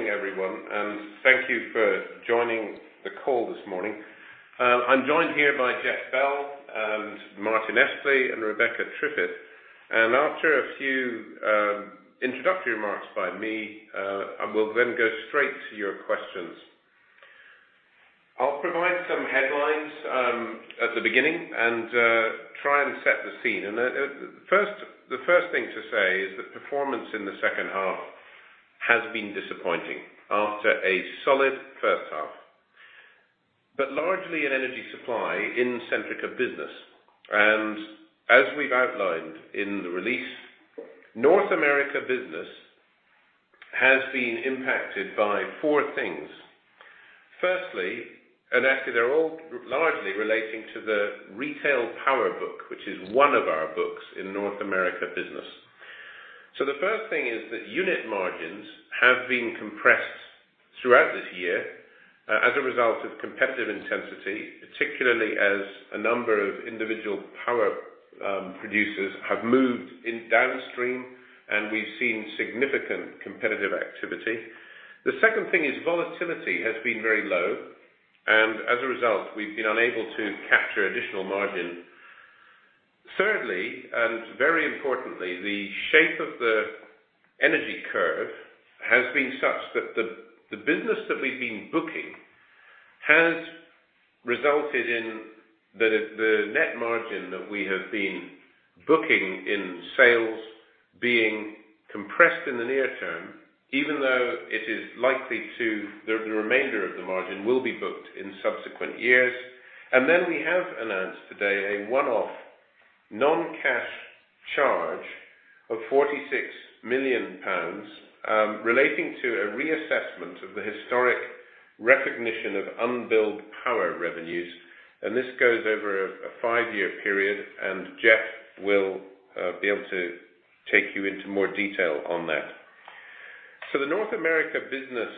Good morning, everyone, and thank you for joining the call this morning. I'm joined here by Jeff Bell and Martyn Espley and Rebecca Triffitt. After a few introductory remarks by me, I will then go straight to your questions. I'll provide some headlines at the beginning and try and set the scene. The first thing to say is that performance in the second half has been disappointing after a solid first half, but largely in energy supply in Centrica Business. As we've outlined in the release, North America Business has been impacted by four things. Firstly, actually they're all largely relating to the retail power book, which is one of our books in North America Business. The first thing is that unit margins have been compressed throughout this year as a result of competitive intensity, particularly as a number of individual power producers have moved in downstream, and we've seen significant competitive activity. The second thing is volatility has been very low, and as a result, we've been unable to capture additional margin. Thirdly, very importantly, the shape of the energy curve has been such that the business that we've been booking has resulted in the net margin that we have been booking in sales being compressed in the near term, even though it is likely to the remainder of the margin will be booked in subsequent years. Then we have announced today a one-off non-cash charge of 46 million pounds, relating to a reassessment of the historic recognition of unbilled power revenues. This goes over a five-year period, and Jeff will be able to take you into more detail on that. The North America Business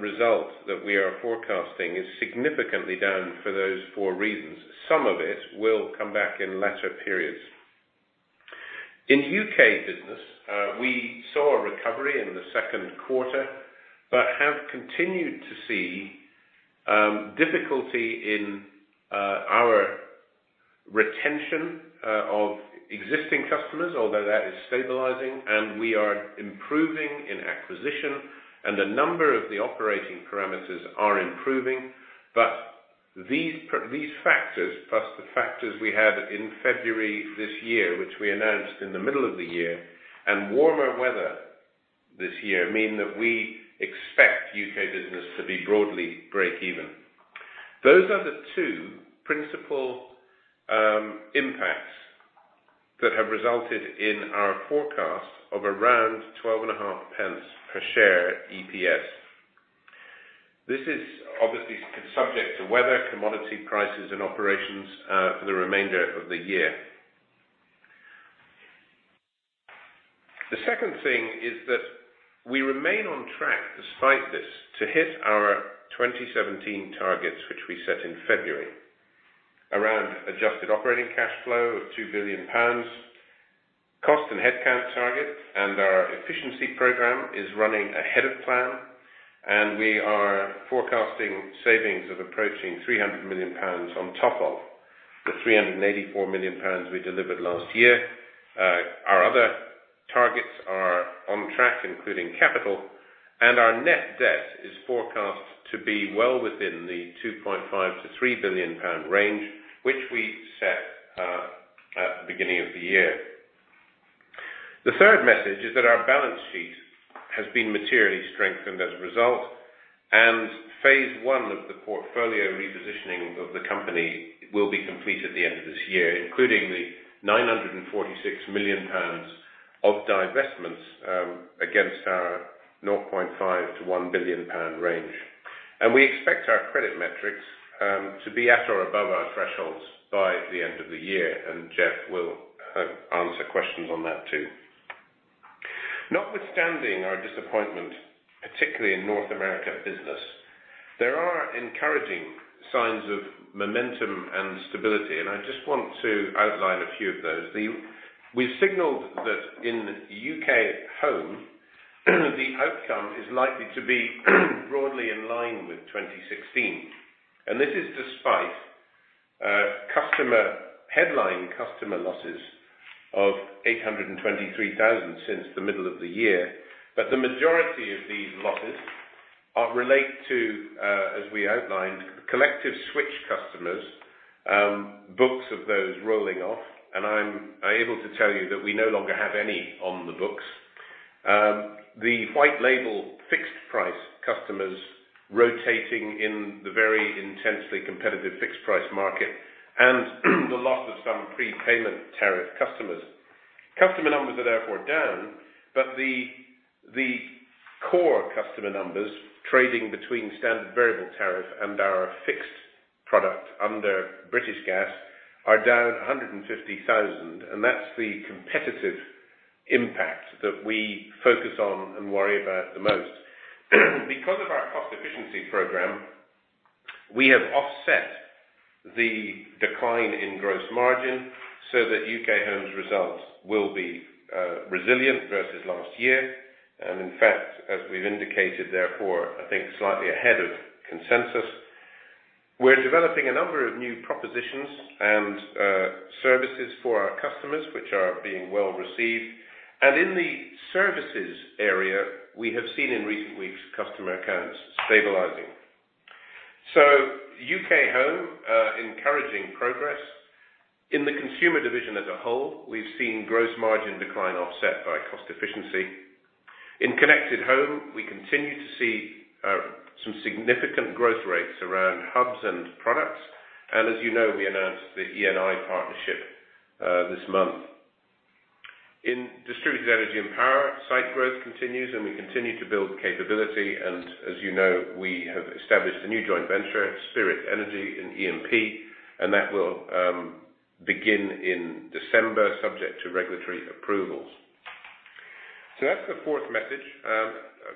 result that we are forecasting is significantly down for those four reasons. Some of it will come back in latter periods. In UK Business, we saw a recovery in the second quarter, but have continued to see difficulty in our retention of existing customers, although that is stabilizing, and we are improving in acquisition and a number of the operating parameters are improving. These factors, plus the factors we had in February this year, which we announced in the middle of the year, and warmer weather this year, mean that we expect UK Business to be broadly break even. Those are the two principal impacts that have resulted in our forecast of around 0.125 per share EPS. This is obviously subject to weather, commodity prices, and operations for the remainder of the year. The second thing is that we remain on track despite this, to hit our 2017 targets, which we set in February, around adjusted operating cash flow of 2 billion pounds. Cost and headcount targets and our efficiency program is running ahead of plan, and we are forecasting savings of approaching 300 million pounds on top of the 384 million pounds we delivered last year. Our other targets are on track, including capital, and our net debt is forecast to be well within the 2.5 billion-3 billion pound range, which we set at the beginning of the year. The third message is that our balance sheet has been materially strengthened as a result, phase 1 of the portfolio repositioning of the company will be complete at the end of this year, including the 946 million pounds of divestments against our 0.5 billion-1 billion pound range. We expect our credit metrics to be at or above our thresholds by the end of the year, and Jeff will answer questions on that too. Notwithstanding our disappointment, particularly in North America Business, there are encouraging signs of momentum and stability. I just want to outline a few of those. We've signaled that in UK Home, the outcome is likely to be broadly in line with 2016, and this is despite headline customer losses of 823,000 since the middle of the year. The majority of these losses are related to, as we outlined, collective switch customers, books of those rolling off. I'm able to tell you that we no longer have any on the books. The white label fixed price customers rotating in the very intensely competitive fixed price market and the loss of some prepayment tariff customers. Customer numbers are therefore down, but the core customer numbers trading between standard variable tariff and our fixed product under British Gas are down 150,000. That's the competitive impact that we focus on and worry about the most. Because of our cost efficiency program, we have offset the decline in gross margin so that UK Home's results will be resilient versus last year. In fact, as we've indicated, therefore, I think slightly ahead of consensus. We're developing a number of new propositions and services for our customers, which are being well-received. In the services area, we have seen in recent weeks customer accounts stabilizing. UK Home, encouraging progress. In the consumer division as a whole, we've seen gross margin decline offset by cost efficiency. In Connected Home, we continue to see some significant growth rates around hubs and products. As you know, we announced the Eni partnership this month. In Distributed Energy & Power, site growth continues. We continue to build capability. As you know, we have established a new joint venture, Spirit Energy, in E&P, and that will begin in December, subject to regulatory approvals. That's the fourth message.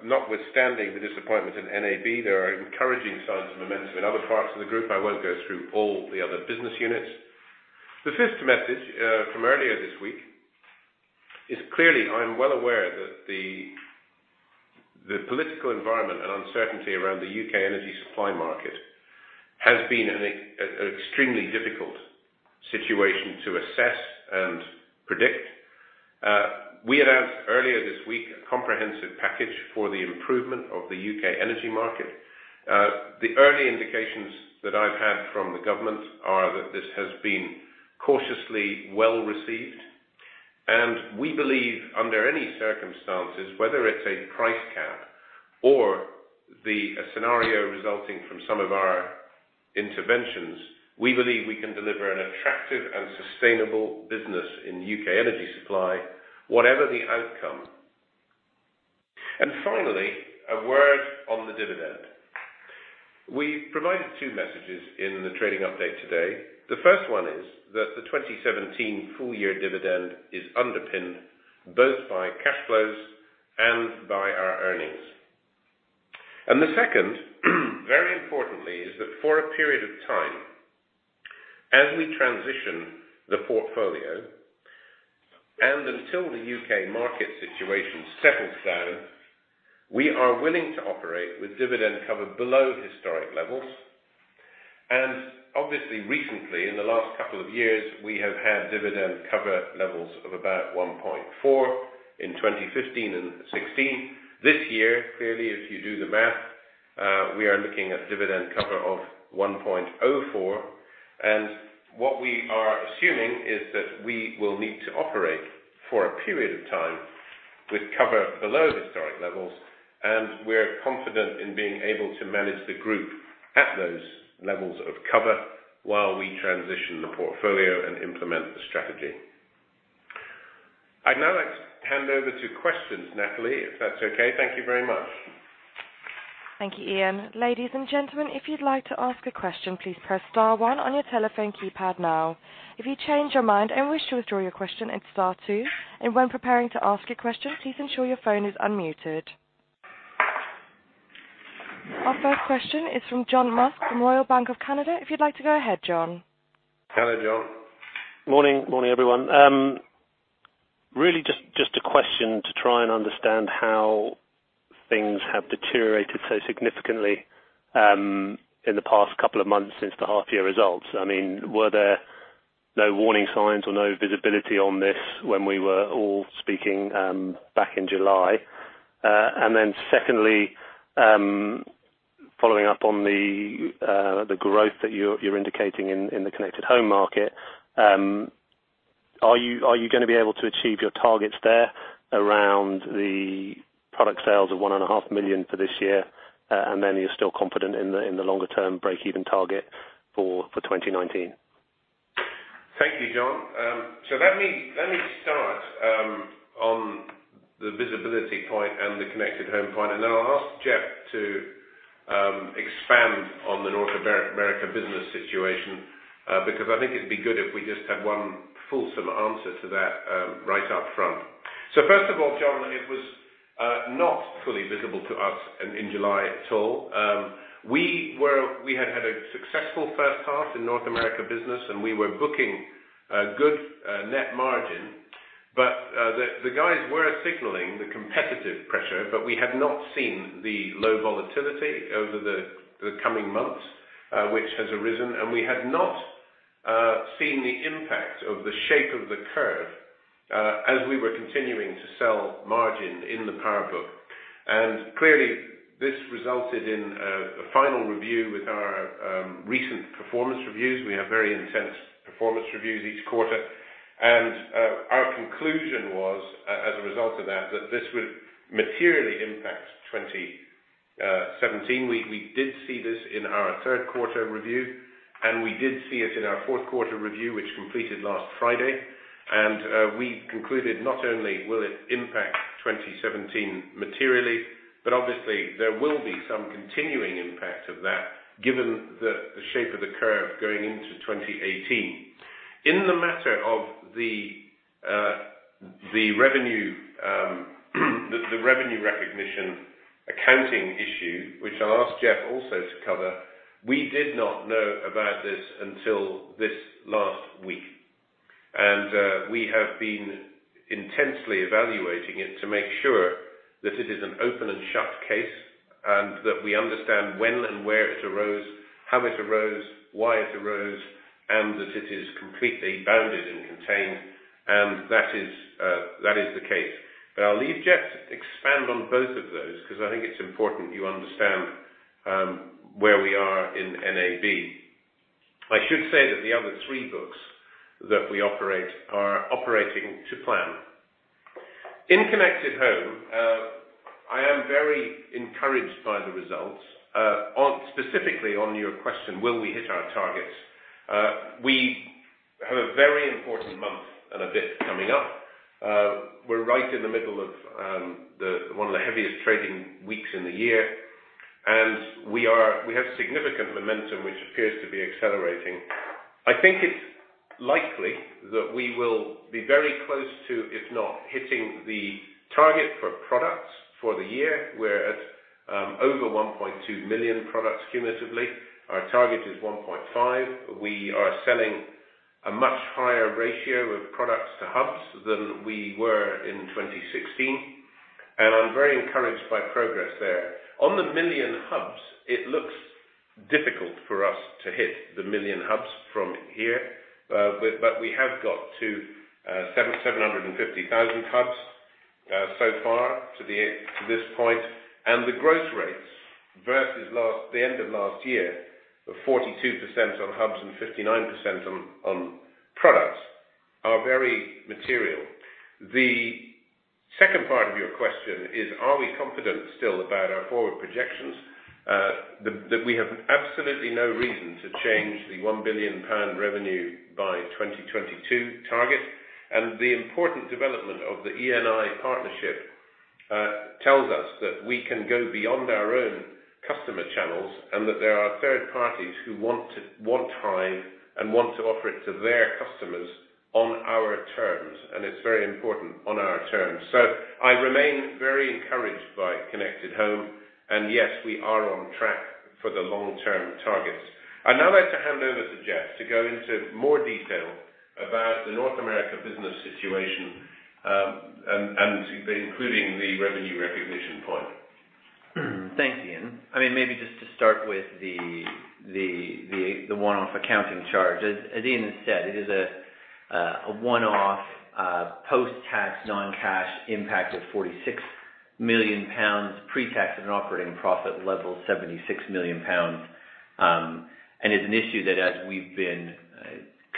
Notwithstanding the disappointment in NAB, there are encouraging signs of momentum in other parts of the group. I won't go through all the other business units. The fifth message from earlier this week is clearly I'm well aware that the political environment and uncertainty around the U.K. energy supply market has been an extremely difficult situation to assess and predict. We announced earlier this week a comprehensive package for the improvement of the U.K. energy market. The early indications that I've had from the government are that this has been cautiously well received. We believe under any circumstances, whether it's a price cap or the scenario resulting from some of our interventions, we believe we can deliver an attractive and sustainable business in U.K. energy supply, whatever the outcome. Finally, a word on the dividend. We provided two messages in the trading update today. The first one is that the 2017 full-year dividend is underpinned both by cash flows and by our earnings. The second, very importantly, is that for a period of time, as we transition the portfolio and until the U.K. market situation settles down, we are willing to operate with dividend cover below historic levels. Obviously recently, in the last couple of years, we have had dividend cover levels of about 1.4 in 2015 and 2016. This year, clearly, if you do the math, we are looking at dividend cover of 1.04. What we are assuming is that we will need to operate for a period of time with cover below historic levels, and we're confident in being able to manage the group at those levels of cover while we transition the portfolio and implement the strategy. I'd now like to hand over to questions, Natalie, if that's okay. Thank you very much. Thank you, Iain. Ladies and gentlemen, if you'd like to ask a question, please press star one on your telephone keypad now. If you change your mind and wish to withdraw your question, it's star two, and when preparing to ask a question, please ensure your phone is unmuted. Our first question is from John Musk from Royal Bank of Canada. If you'd like to go ahead, John. Hello, John. Morning, everyone. Really just a question to try and understand how things have deteriorated so significantly in the past couple of months since the half-year results. Were there no warning signs or no visibility on this when we were all speaking back in July? Secondly, following up on the growth that you're indicating in the Connected Home market, are you going to be able to achieve your targets there around the product sales of 1.5 million for this year? Are you still confident in the longer-term breakeven target for 2019? Thank you, John. Let me start on the visibility point and the Connected Home point, then I'll ask Jeff to expand on the North America business situation, because I think it'd be good if we just had one fulsome answer to that right up front. First of all, John, it was not fully visible to us in July at all. We had had a successful first half in North America business, and we were booking a good net margin, but the guys were signaling the competitive pressure, but we had not seen the low volatility over the coming months, which has arisen, and we had not seen the impact of the shape of the curve as we were continuing to sell margin in the power book. Clearly, this resulted in a final review with our recent performance reviews. We have very intense performance reviews each quarter. Our conclusion was, as a result of that this would materially impact 2017. We did see this in our third quarter review, and we did see it in our fourth quarter review, which completed last Friday. We concluded not only will it impact 2017 materially, but obviously there will be some continuing impact of that given the shape of the curve going into 2018. In the matter of the revenue recognition accounting issue, which I'll ask Jeff also to cover, we did not know about this until this last week. We have been intensely evaluating it to make sure that it is an open and shut case, and that we understand when and where it arose, how it arose, why it arose, and that it is completely bounded and contained. That is the case. I'll leave Jeff to expand on both of those, because I think it's important you understand where we are in NAB. I should say that the other three books that we operate are operating to plan. In Connected Home, I am very encouraged by the results. Specifically on your question, will we hit our targets? We have a very important month and a bit coming up. We're right in the middle of one of the heaviest trading weeks in the year, and we have significant momentum, which appears to be accelerating. I think it's likely that we will be very close to, if not hitting the target for products for the year. We're at over 1.2 million products cumulatively. Our target is 1.5. We are selling a much higher ratio of products to hubs than we were in 2016, and I'm very encouraged by progress there. On the million hubs, it looks difficult for us to hit the million hubs from here. We have got to 750,000 hubs so far to this point, and the growth rates versus the end of last year, were 42% on hubs and 59% on products, are very material. The second part of your question is, are we confident still about our forward projections? That we have absolutely no reason to change the 1 billion pound revenue by 2022 target. The important development of the Eni partnership tells us that we can go beyond our own customer channels, and that there are third parties who want Hive and want to offer it to their customers on our terms. It's very important, on our terms. I remain very encouraged by Connected Home, and yes, we are on track for the long-term targets. I'd now like to hand over to Jeff to go into more detail about the North America business situation, including the revenue recognition point. Thanks, Iain. Maybe just to start with the one-off accounting charge. As Iain has said, it is a one-off post-tax non-cash impact of 46 million pounds, pre-tax at an operating profit level of 76 million pounds. It's an issue that as we've been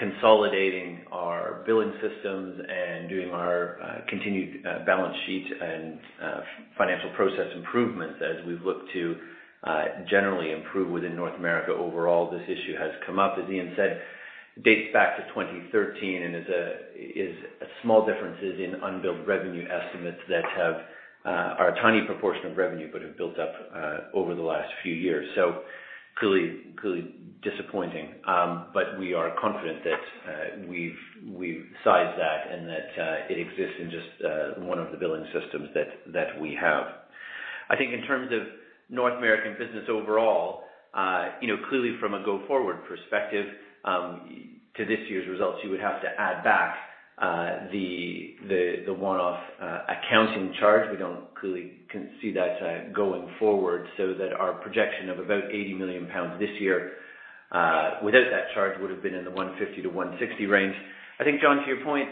consolidating our billing systems and doing our continued balance sheet and financial process improvement, as we've looked to generally improve within North America overall, this issue has come up. As Iain said, it dates back to 2013 and is small differences in unbilled revenue estimates that are a tiny proportion of revenue, but have built up over the last few years. Clearly disappointing. We are confident that we've sized that and that it exists in just one of the billing systems that we have. I think in terms of North American business overall, clearly from a go-forward perspective to this year's results, you would have to add back the one-off accounting charge. We don't clearly see that going forward, so that our projection of about 80 million pounds this year, without that charge would have been in the 150 million-160 million range. I think, John, to your point,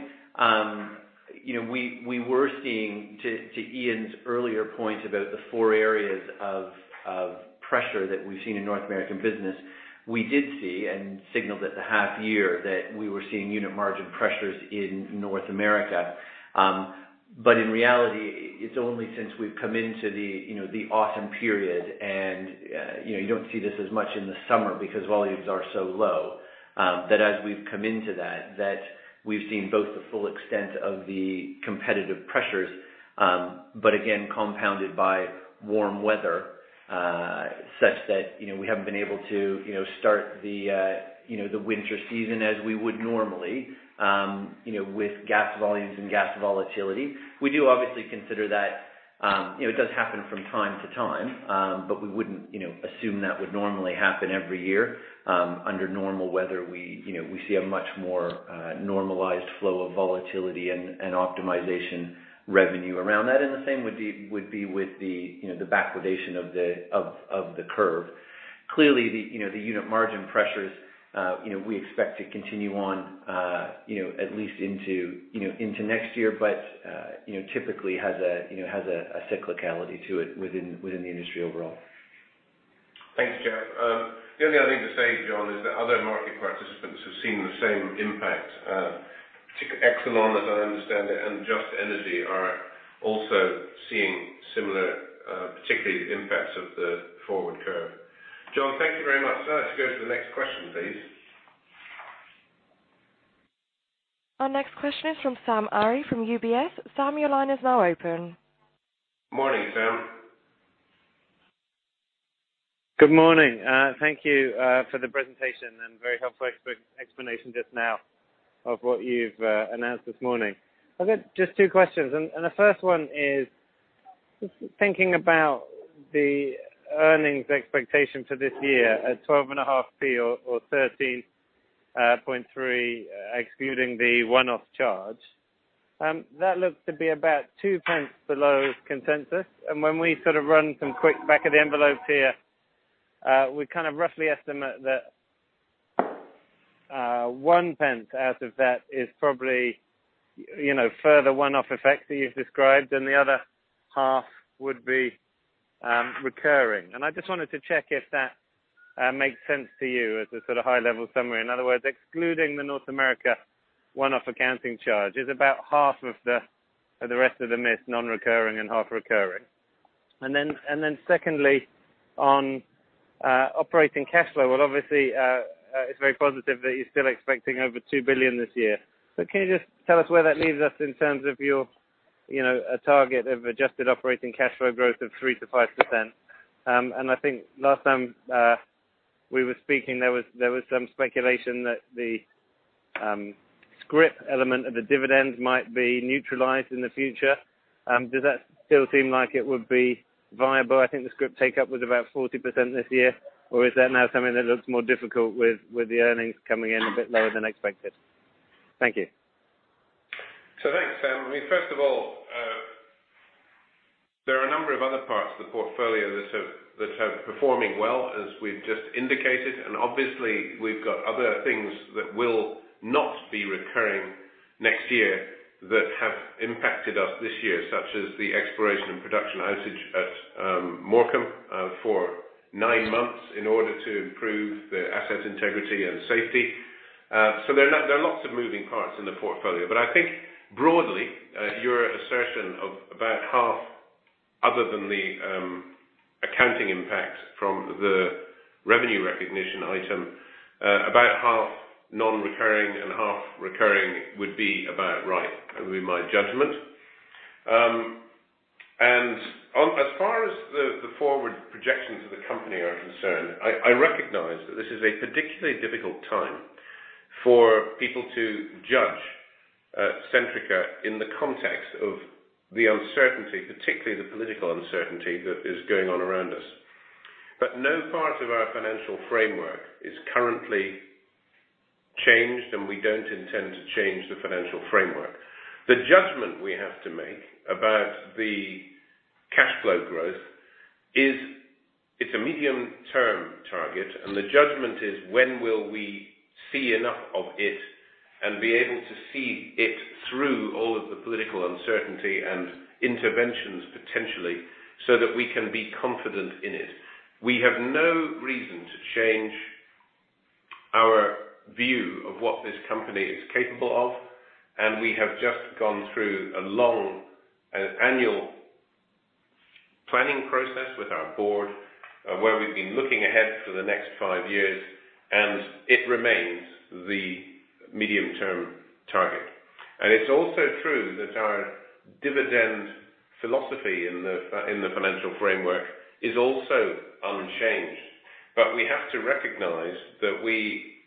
we were seeing, to Iain's earlier point about the four areas of pressure that we've seen in North American business, we did see and signaled at the half year that we were seeing unit margin pressures in North America. In reality, it's only since we've come into the autumn period, and you don't see this as much in the summer because volumes are so low, that as we've come into that we've seen both the full extent of the competitive pressures, but again compounded by warm weather, such that we haven't been able to start the winter season as we would normally with gas volumes and gas volatility. We do obviously consider that it does happen from time to time. We wouldn't assume that would normally happen every year. Under normal weather, we see a much more normalized flow of volatility and optimization revenue around that, and the same would be with the backwardation of the curve. Clearly, the unit margin pressures we expect to continue on at least into next year, but typically has a cyclicality to it within the industry overall. Thanks, Jeff. The only other thing to say, John, is that other market participants have seen the same impact. Particularly Exelon, as I understand it, and Just Energy are also seeing similar, particularly the impacts of the forward curve. John, thank you very much. Can I ask to go to the next question, please? Our next question is from Sam Arie from UBS. Sam, your line is now open. Morning, Sam. Good morning. Thank you for the presentation and very helpful explanation just now of what you've announced this morning. The first one is just thinking about the earnings expectation for this year at 0.125 or 0.133, excluding the one-off charge. That looks to be about 0.02 below consensus. When we run some quick back-of-the-envelope here, we roughly estimate that GBP 0.01 out of that is probably further one-off effects that you've described and the other half would be recurring. I just wanted to check if that makes sense to you as a sort of high-level summary. In other words, excluding the North America one-off accounting charge is about half of the rest of the miss non-recurring and half recurring. Then secondly, on operating cash flow. Well, obviously, it's very positive that you're still expecting over 2 billion this year. Can you just tell us where that leaves us in terms of your target of adjusted operating cash flow growth of 3%-5%? I think last time we were speaking, there was some speculation that the scrip element of the dividend might be neutralized in the future. Does that still seem like it would be viable? I think the scrip take-up was about 40% this year, or is that now something that looks more difficult with the earnings coming in a bit lower than expected? Thank you. Thanks, Sam. First of all, there are a number of other parts of the portfolio that are performing well, as we've just indicated. Obviously, we've got other things that will not be recurring next year that have impacted us this year, such as the exploration and production outage at Morecambe for nine months in order to improve the asset integrity and safety. There are lots of moving parts in the portfolio. I think broadly, your assertion of about half other than the accounting impact from the revenue recognition item, about half non-recurring and half recurring would be about right, would be my judgment. As far as the forward projections of the company are concerned, I recognize that this is a particularly difficult time for people to judge Centrica in the context of the uncertainty, particularly the political uncertainty that is going on around us. No part of our financial framework is currently changed, we don't intend to change the financial framework. The judgment we have to make about the cash flow growth is it's a medium-term target, the judgment is when will we see enough of it and be able to see it through all of the political uncertainty and interventions, potentially, so that we can be confident in it. We have no reason to change our view of what this company is capable of, we have just gone through a long annual planning process with our board, where we've been looking ahead for the next five years, it remains the medium-term target. It's also true that our dividend philosophy in the financial framework is also unchanged. We have to recognize that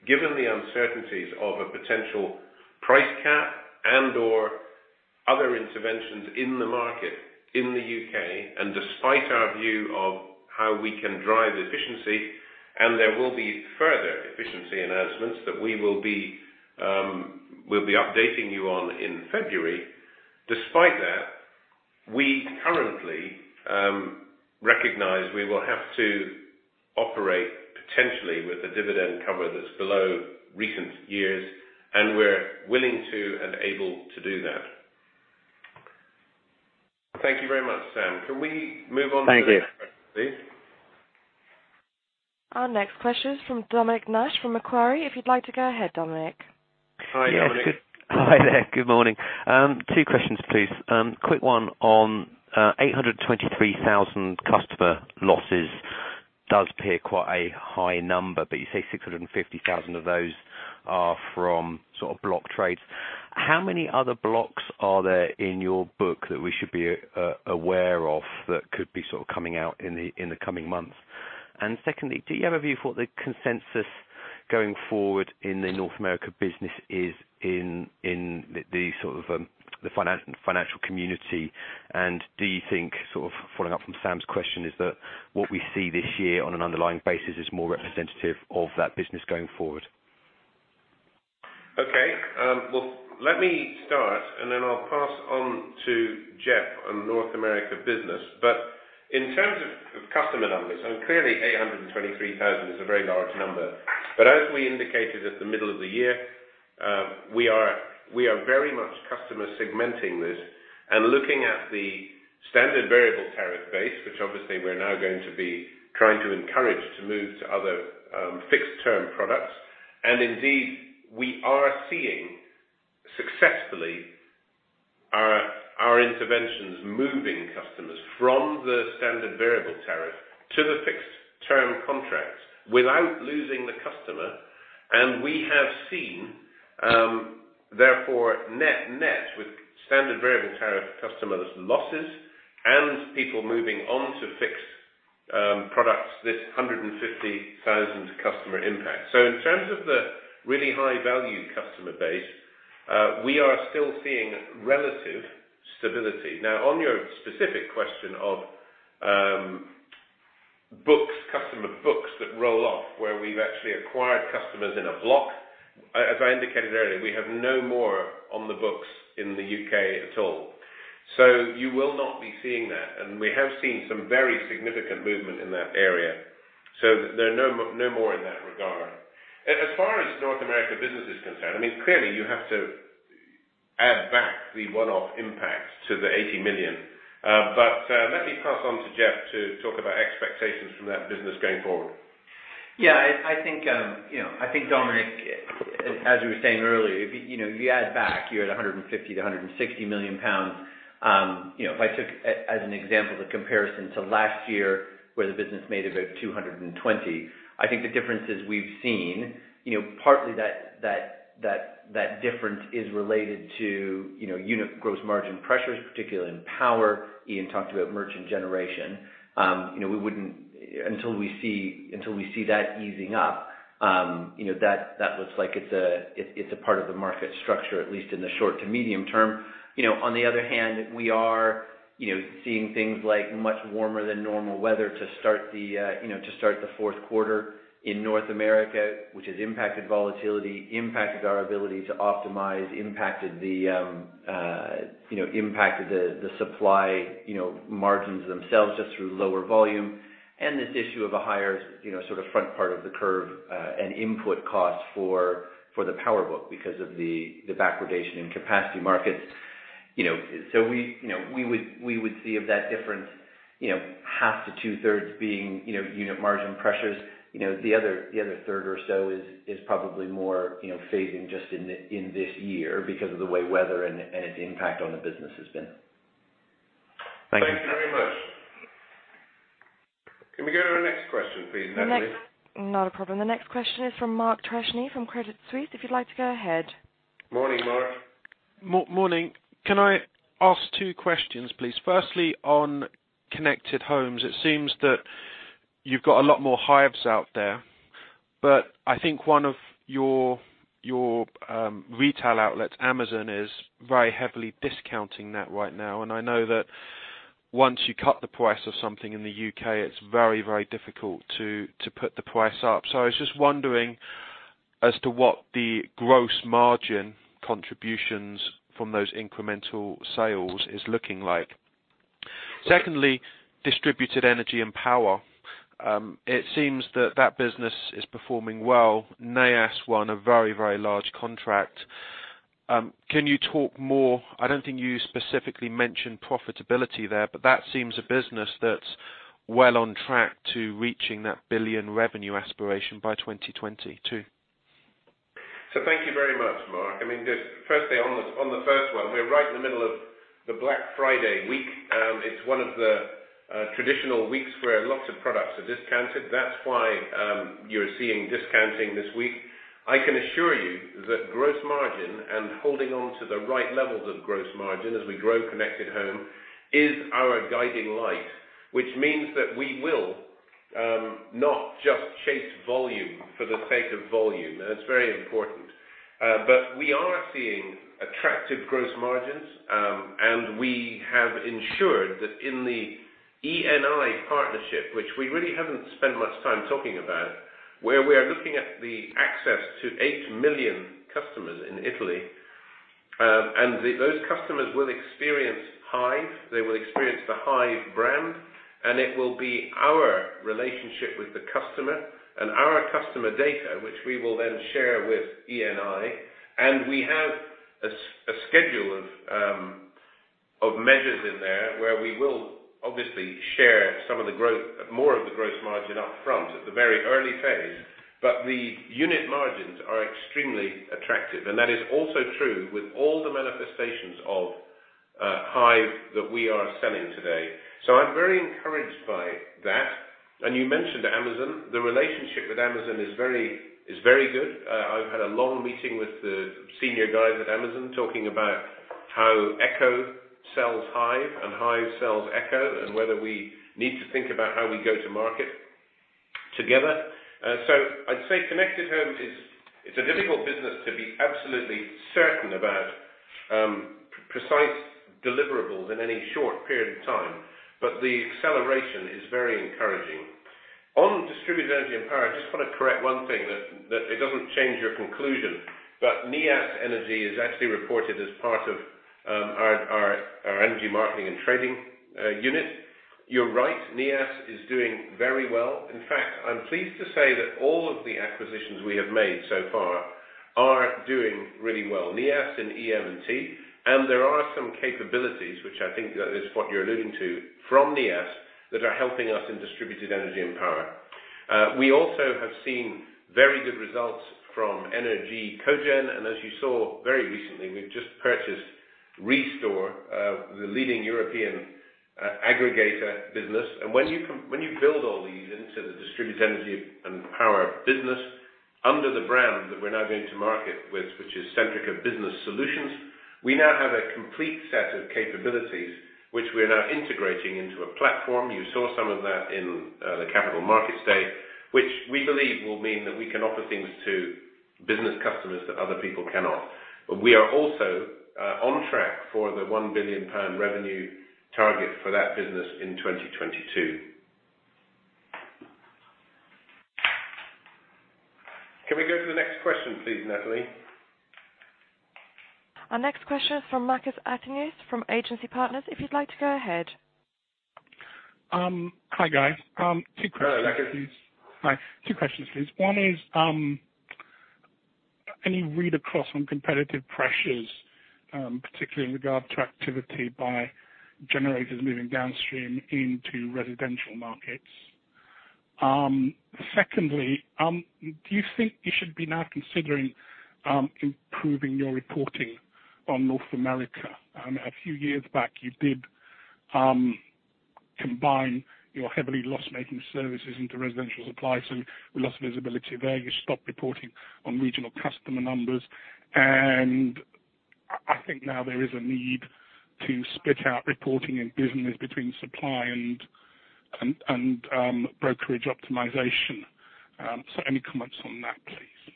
given the uncertainties of a potential price cap and/or other interventions in the market in the U.K., despite our view of how we can drive efficiency, there will be further efficiency announcements that we'll be updating you on in February. Despite that, we currently recognize we will have to operate potentially with a dividend cover that's below recent years, we're willing to and able to do that. Thank you very much, Sam. Can we move on to the next question, please? Our next question is from Dominic Nash from Macquarie. If you'd like to go ahead, Dominic. Hi, Dominic. Hi there. Good morning. Two questions, please. Quick one on 823,000 customer losses does appear quite a high number, but you say 650,000 of those are from block trades. How many other blocks are there in your book that we should be aware of that could be coming out in the coming months? Secondly, do you have a view for the consensus going forward in the North America business is in the financial community? Do you think, following up from Sam's question, is that what we see this year on an underlying basis is more representative of that business going forward? Well, let me start. I'll pass on to Jeff on North America business. In terms of customer numbers, and clearly 823,000 is a very large number. As we indicated at the middle of the year, we are very much customer segmenting this and looking at the standard variable tariff base, which obviously we're now going to be trying to encourage to move to other fixed-term products. Indeed, we are seeing successfully our interventions moving customers from the standard variable tariff to the fixed-term contract without losing the customer. We have seen, therefore, net-net with standard variable tariff customers losses and people moving on to fixed products, this 150,000 customer impact. In terms of the really high-value customer base, we are still seeing relative stability. On your specific question of books, customer books that roll off where we've actually acquired customers in a block, as I indicated earlier, we have no more on the books in the U.K. at all. You will not be seeing that. We have seen some very significant movement in that area, there are no more in that regard. As far as North America business is concerned, clearly you have to add back the one-off impact to the 80 million. Let me pass on to Jeff to talk about expectations from that business going forward. Dominic, as we were saying earlier, if you add back, you're at £150 to £160 million. If I took, as an example, the comparison to last year, where the business made about 220 million, I think the differences we've seen, partly that difference is related to unit gross margin pressures, particularly in power. Iain talked about merchant generation. Until we see that easing up, that looks like it's a part of the market structure, at least in the short to medium term. On the other hand, we are seeing things like much warmer than normal weather to start the fourth quarter in North America, which has impacted volatility, impacted our ability to optimize, impacted the supply margins themselves just through lower volume. This issue of a higher front part of the curve and input costs for the power book because of the backwardation in capacity markets. We would see of that difference, half to two-thirds being unit margin pressures. The other third or so is probably more phasing just in this year because of the way weather and its impact on the business has been. Thank you very much. Can we go to the next question please, Natalie? Not a problem. The next question is from Mark Tristram from Credit Suisse, if you'd like to go ahead. Morning, Mark. Morning. Can I ask two questions, please? Firstly, on Connected Home, it seems that you've got a lot more Hive out there, but I think one of your retail outlets, Amazon, is very heavily discounting that right now. I know that once you cut the price of something in the U.K., it's very, very difficult to put the price up. I was just wondering as to what the gross margin contributions from those incremental sales is looking like. Secondly, Distributed Energy & Power. It seems that that business is performing well. Neas won a very, very large contract. Can you talk more? I don't think you specifically mentioned profitability there, but that seems a business that's well on track to reaching that billion revenue aspiration by 2022. Thank you very much, Mark. Firstly, on the first one, we're right in the middle of the Black Friday week. It's one of the traditional weeks where lots of products are discounted. That's why you're seeing discounting this week. I can assure you that gross margin and holding on to the right levels of gross margin as we grow Connected Home is our guiding light, which means that we will not just chase volume for the sake of volume. It's very important. We are seeing attractive gross margins, and we have ensured that in the Eni partnership, which we really haven't spent much time talking about, where we are looking at the access to 8 million customers in Italy, and those customers will experience Hive, they will experience the Hive brand, and it will be our relationship with the customer and our customer data, which we will then share with Eni. We have a schedule of measures in there where we will obviously share more of the gross margin up front at the very early phase. The unit margins are extremely attractive, and that is also true with all the manifestations of Hive that we are selling today. I'm very encouraged by that. You mentioned Amazon. The relationship with Amazon is very good. I've had a long meeting with the senior guys at Amazon talking about how Echo sells Hive and Hive sells Echo and whether we need to think about how we go to market together. I'd say Connected Home is a difficult business to be absolutely certain about precise deliverables in any short period of time, but the acceleration is very encouraging. On Distributed Energy & Power, I just want to correct one thing, that it doesn't change your conclusion, but Neas Energy is actually reported as part of our Energy Marketing & Trading unit. You're right, Neas is doing very well. In fact, I'm pleased to say that all of the acquisitions we have made so far are doing really well. Neas and EM&T, and there are some capabilities, which I think that is what you're alluding to from Neas that are helping us in Distributed Energy & Power. We also have seen very good results from ENER-G Cogen, and as you saw very recently, we've just purchased REstore the leading European aggregator business. When you build all these into the Distributed Energy & Power business, under the brand that we're now going to market with, which is Centrica Business Solutions, we now have a complete set of capabilities which we are now integrating into a platform. You saw some of that in the Capital Markets Day, which we believe will mean that we can offer things to business customers that other people cannot. We are also on track for the 1 billion pound revenue target for that business in 2022. Can we go to the next question, please, Natalie? Our next question is from Marcus Atenius, from Agency Partners. If you'd like to go ahead. Hi, guys. Hello, Marcus. Hi. Two questions, please. One is, any read-across on competitive pressures, particularly in regard to activity by generators moving downstream into residential markets? Secondly, do you think you should be now considering improving your reporting on North America? A few years back, you did combine your heavily loss-making services into residential supply, so we lost visibility there. You stopped reporting on regional customer numbers. I think now there is a need to split out reporting in business between supply and brokerage optimization. Any comments on that, please?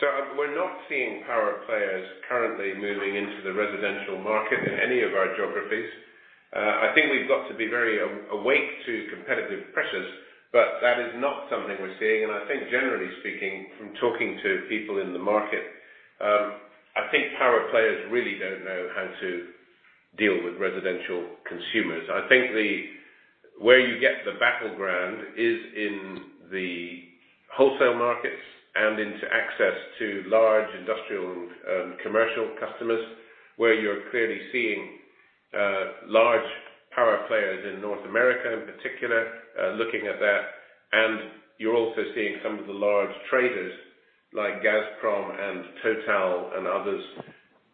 We're not seeing power players currently moving into the residential market in any of our geographies. I think we've got to be very awake to competitive pressures, but that is not something we're seeing. I think generally speaking, from talking to people in the market, I think power players really don't know how to deal with residential consumers. I think where you get the battleground is in the wholesale markets and into access to large industrial and commercial customers, where you're clearly seeing large power players in North America, in particular, looking at that. You're also seeing some of the large traders like Gazprom and Total and others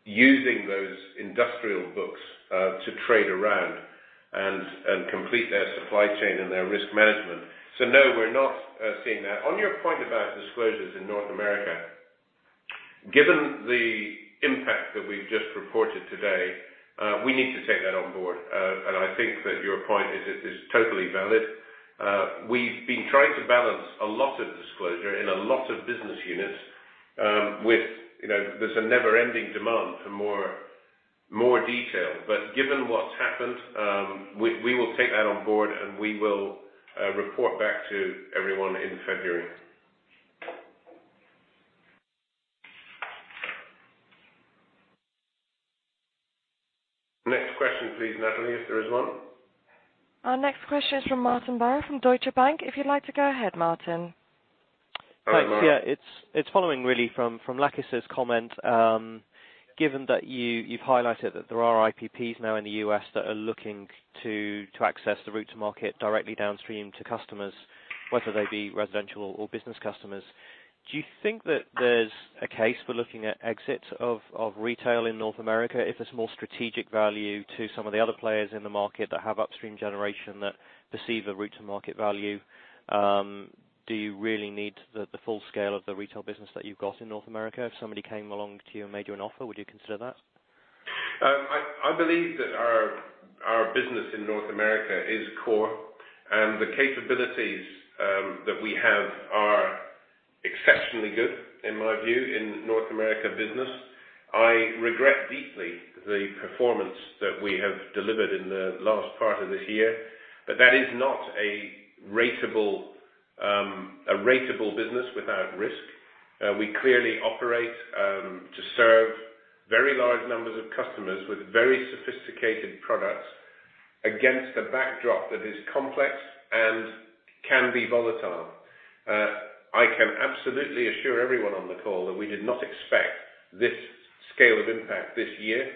using those industrial books to trade around and complete their supply chain and their risk management. No, we're not seeing that. On your point about disclosures in North America, given the impact that we've just reported today, we need to take that on board. I think that your point is totally valid. We've been trying to balance a lot of disclosure in a lot of business units with, there's a never-ending demand for more detail. Given what's happened, we will take that on board and we will report back to everyone in February. Next question please, Natalie, if there is one. Our next question is from Martin Barr from Deutsche Bank. If you'd like to go ahead, Martin. Hi, Martin. Thanks. Yeah, it's following really from Marcus' comment, given that you've highlighted that there are IPPs now in the U.S. that are looking to access the route to market directly downstream to customers, whether they be residential or business customers. Do you think that there's a case for looking at exit of retail in North America if there's more strategic value to some of the other players in the market that have upstream generation that perceive a route to market value? Do you really need the full scale of the retail business that you've got in North America? If somebody came along to you and made you an offer, would you consider that? I believe that our business in North America is core, the capabilities that we have are exceptionally good, in my view, in North America business. I regret deeply the performance that we have delivered in the last part of this year. That is not a ratable business without risk. We clearly operate to serve very large numbers of customers with very sophisticated products against a backdrop that is complex and can be volatile. I can absolutely assure everyone on the call that we did not expect this scale of impact this year.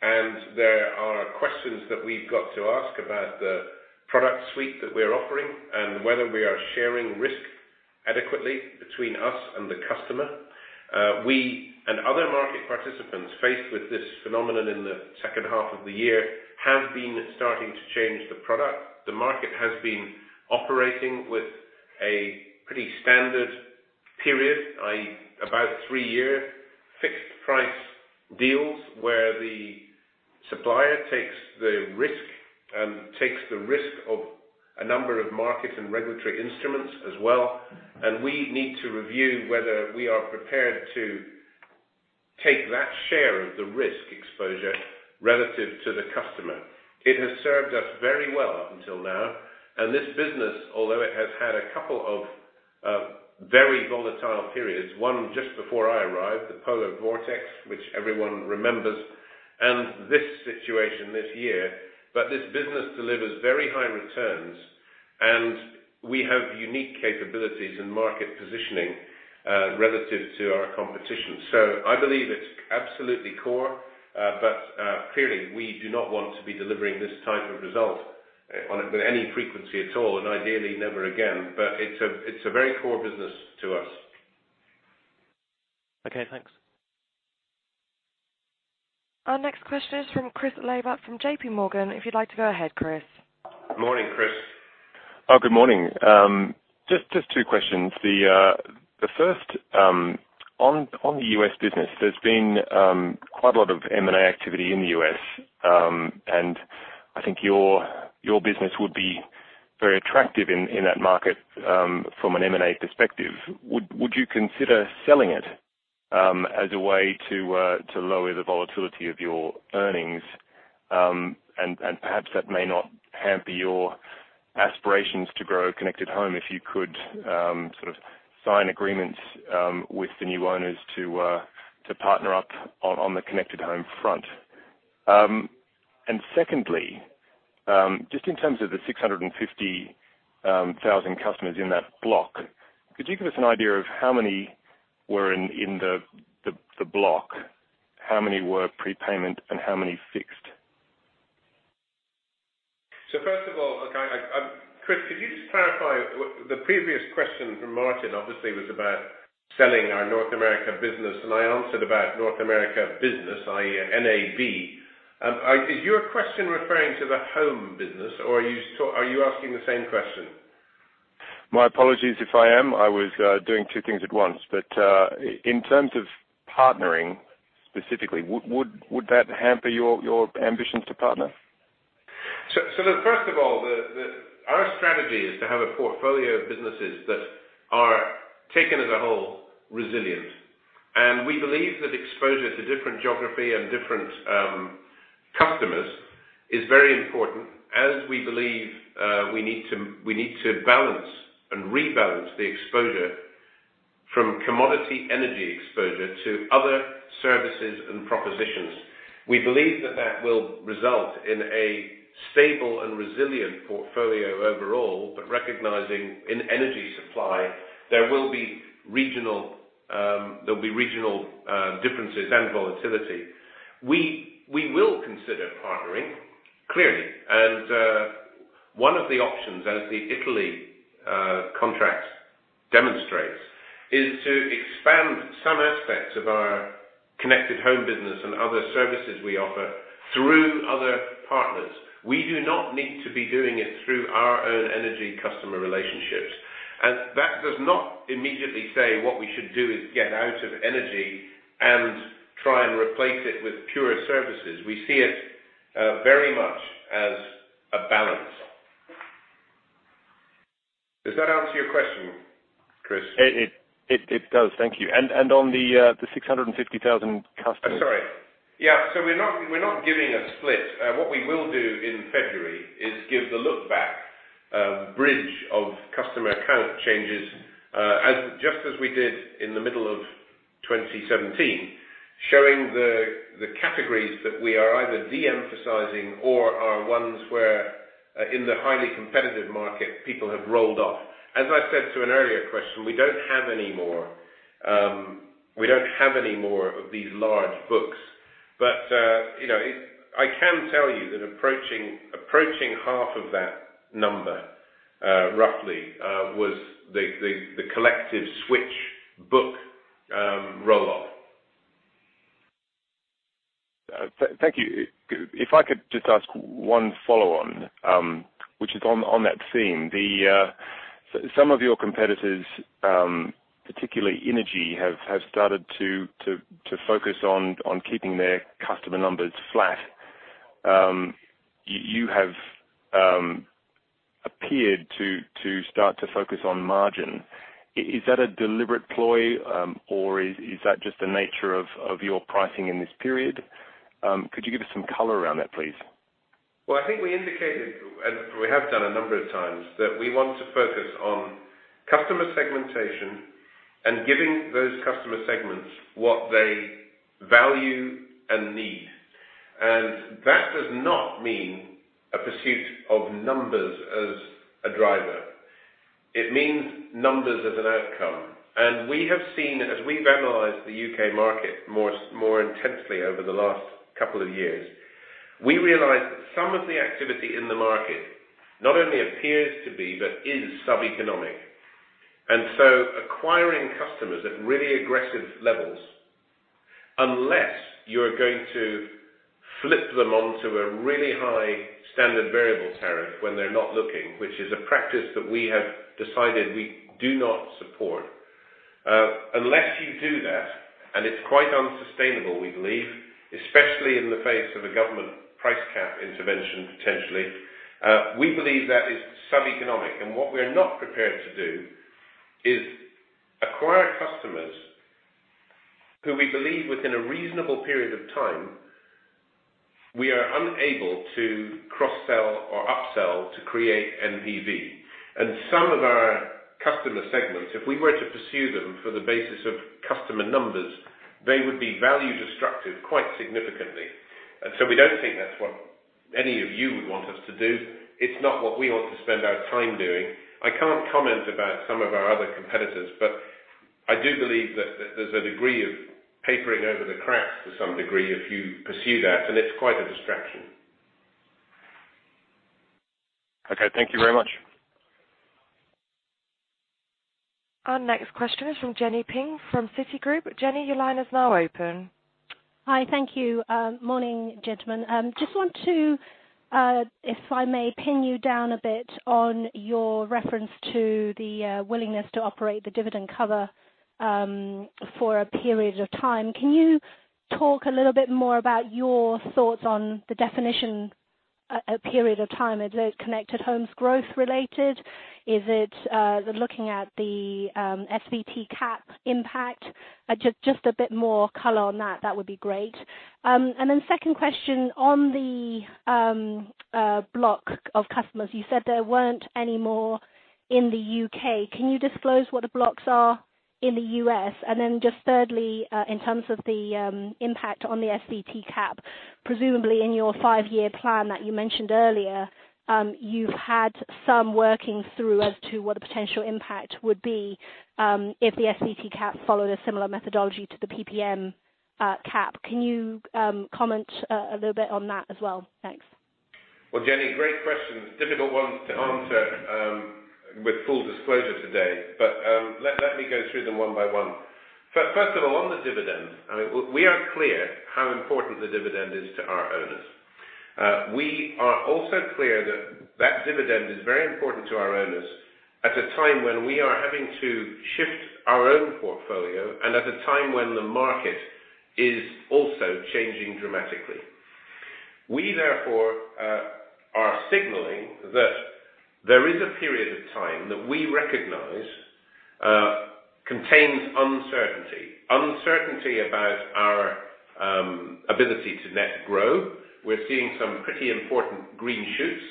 There are questions that we've got to ask about the product suite that we're offering and whether we are sharing risk adequately between us and the customer. We and other market participants, faced with this phenomenon in the second half of the year, have been starting to change the product. The market has been operating with a pretty standard period, about three-year fixed price deals, where the supplier takes the risk and takes the risk of a number of market and regulatory instruments as well. We need to review whether we are prepared to take that share of the risk exposure relative to the customer. It has served us very well until now. This business, although it has had a couple of very volatile periods, one just before I arrived, the Polar Vortex, which everyone remembers, and this situation this year, this business delivers very high returns, and we have unique capabilities in market positioning relative to our competition. I believe it's absolutely core, clearly, we do not want to be delivering this type of result with any frequency at all, and ideally never again. It's a very core business to us. Okay, thanks. Our next question is from Chris Laibach from JP Morgan. If you'd like to go ahead, Chris. Morning, Chris. Good morning. Just two questions. The first on the U.S. business, there's been quite a lot of M&A activity in the U.S., and I think your business would be very attractive in that market from an M&A perspective. Would you consider selling it as a way to lower the volatility of your earnings? Perhaps that may not hamper your aspirations to grow Connected Home if you could sort of sign agreements with the new owners to partner up on the Connected Home front. Secondly, just in terms of the 650,000 customers in that block, could you give us an idea of how many were in the block? How many were prepayment and how many fixed? First of all, Chris, could you just clarify the previous question from Martin obviously was about selling our North America business, I answered about North America business, i.e., NAB. Is your question referring to the home business or are you asking the same question? My apologies if I am. I was doing two things at once. In terms of partnering specifically, would that hamper your ambitions to partner? First of all, our strategy is to have a portfolio of businesses that are taken as a whole resilient. We believe that exposure to different geography and different customers is very important, as we believe we need to balance and rebalance the exposure from commodity energy exposure to other services and propositions. We believe that that will result in a stable and resilient portfolio overall, but recognizing in energy supply there will be regional differences and volatility. We will consider partnering, clearly. One of the options as the Italy contract demonstrates, is to expand some aspects of our Connected Home business and other services we offer through other partners. We do not need to be doing it through our own energy customer relationships. That does not immediately say what we should do is get out of energy and try and replace it with pure services. We see it very much as a balance. Does that answer your question, Chris? It does. Thank you. On the 650,000 customers. Sorry. Yeah. We're not giving a split. What we will do in February is give the look back bridge of customer account changes, just as we did in the middle of 2017, showing the categories that we are either de-emphasizing or are ones where in the highly competitive market people have rolled off. As I said to an earlier question, we don't have any more of these large books. I can tell you that approaching half of that number roughly, was the collective switch book roll-off. Thank you. If I could just ask one follow-on, which is on that theme. Some of your competitors, particularly Innogy, have started to focus on keeping their customer numbers flat. You have appeared to start to focus on margin. Is that a deliberate ploy or is that just the nature of your pricing in this period? Could you give us some color around that, please? Well, I think we indicated, and we have done a number of times, that we want to focus on customer segmentation and giving those customer segments what they value and need. That does not mean a pursuit of numbers as a driver. It means numbers as an outcome. We have seen as we've analyzed the U.K. market more intensely over the last couple of years, we realize that some of the activity in the market not only appears to be but is sub-economic. Acquiring customers at really aggressive levels, unless you're going to flip them onto a really high standard variable tariff when they're not looking, which is a practice that we have decided we do not support, unless you do that, and it's quite unsustainable, we believe, especially in the face of a government price cap intervention, potentially, we believe that is sub-economic. What we're not prepared to do is acquire customers who we believe within a reasonable period of time, we are unable to cross-sell or upsell to create NPV. Some of our customer segments, if we were to pursue them for the basis of customer numbers, they would be value destructive quite significantly. We don't think that's what any of you would want us to do. It's not what we want to spend our time doing. I can't comment about some of our other competitors, but I do believe that there's a degree of papering over the cracks to some degree if you pursue that, and it's quite a distraction. Okay, thank you very much. Our next question is from Jenny Ping from Citigroup. Jenny, your line is now open. Hi. Thank you. Morning, gentlemen. Just want to, if I may, pin you down a bit on your reference to the willingness to operate the dividend cover for a period of time. Can you talk a little bit more about your thoughts on the definition, a period of time? Is it Connected Home growth related? Is it looking at the SVT cap impact? Just a bit more color on that would be great. Second question, on the block of customers, you said there weren't any more in the U.K. Can you disclose what the blocks are in the U.S.? Just thirdly, in terms of the impact on the SVT cap, presumably in your five-year plan that you mentioned earlier, you've had some working through as to what the potential impact would be if the SVT cap followed a similar methodology to the PPM cap. Can you comment a little bit on that as well? Thanks. Well, Jenny, great questions. Difficult ones to answer with full disclosure today, but let me go through them one by one. First of all, on the dividend, we are clear how important the dividend is to our owners. We are also clear that that dividend is very important to our owners at a time when we are having to shift our own portfolio and at a time when the market is also changing dramatically. We therefore are signaling that there is a period of time that we recognize contains uncertainty. Uncertainty about our ability to net grow. We're seeing some pretty important green shoots.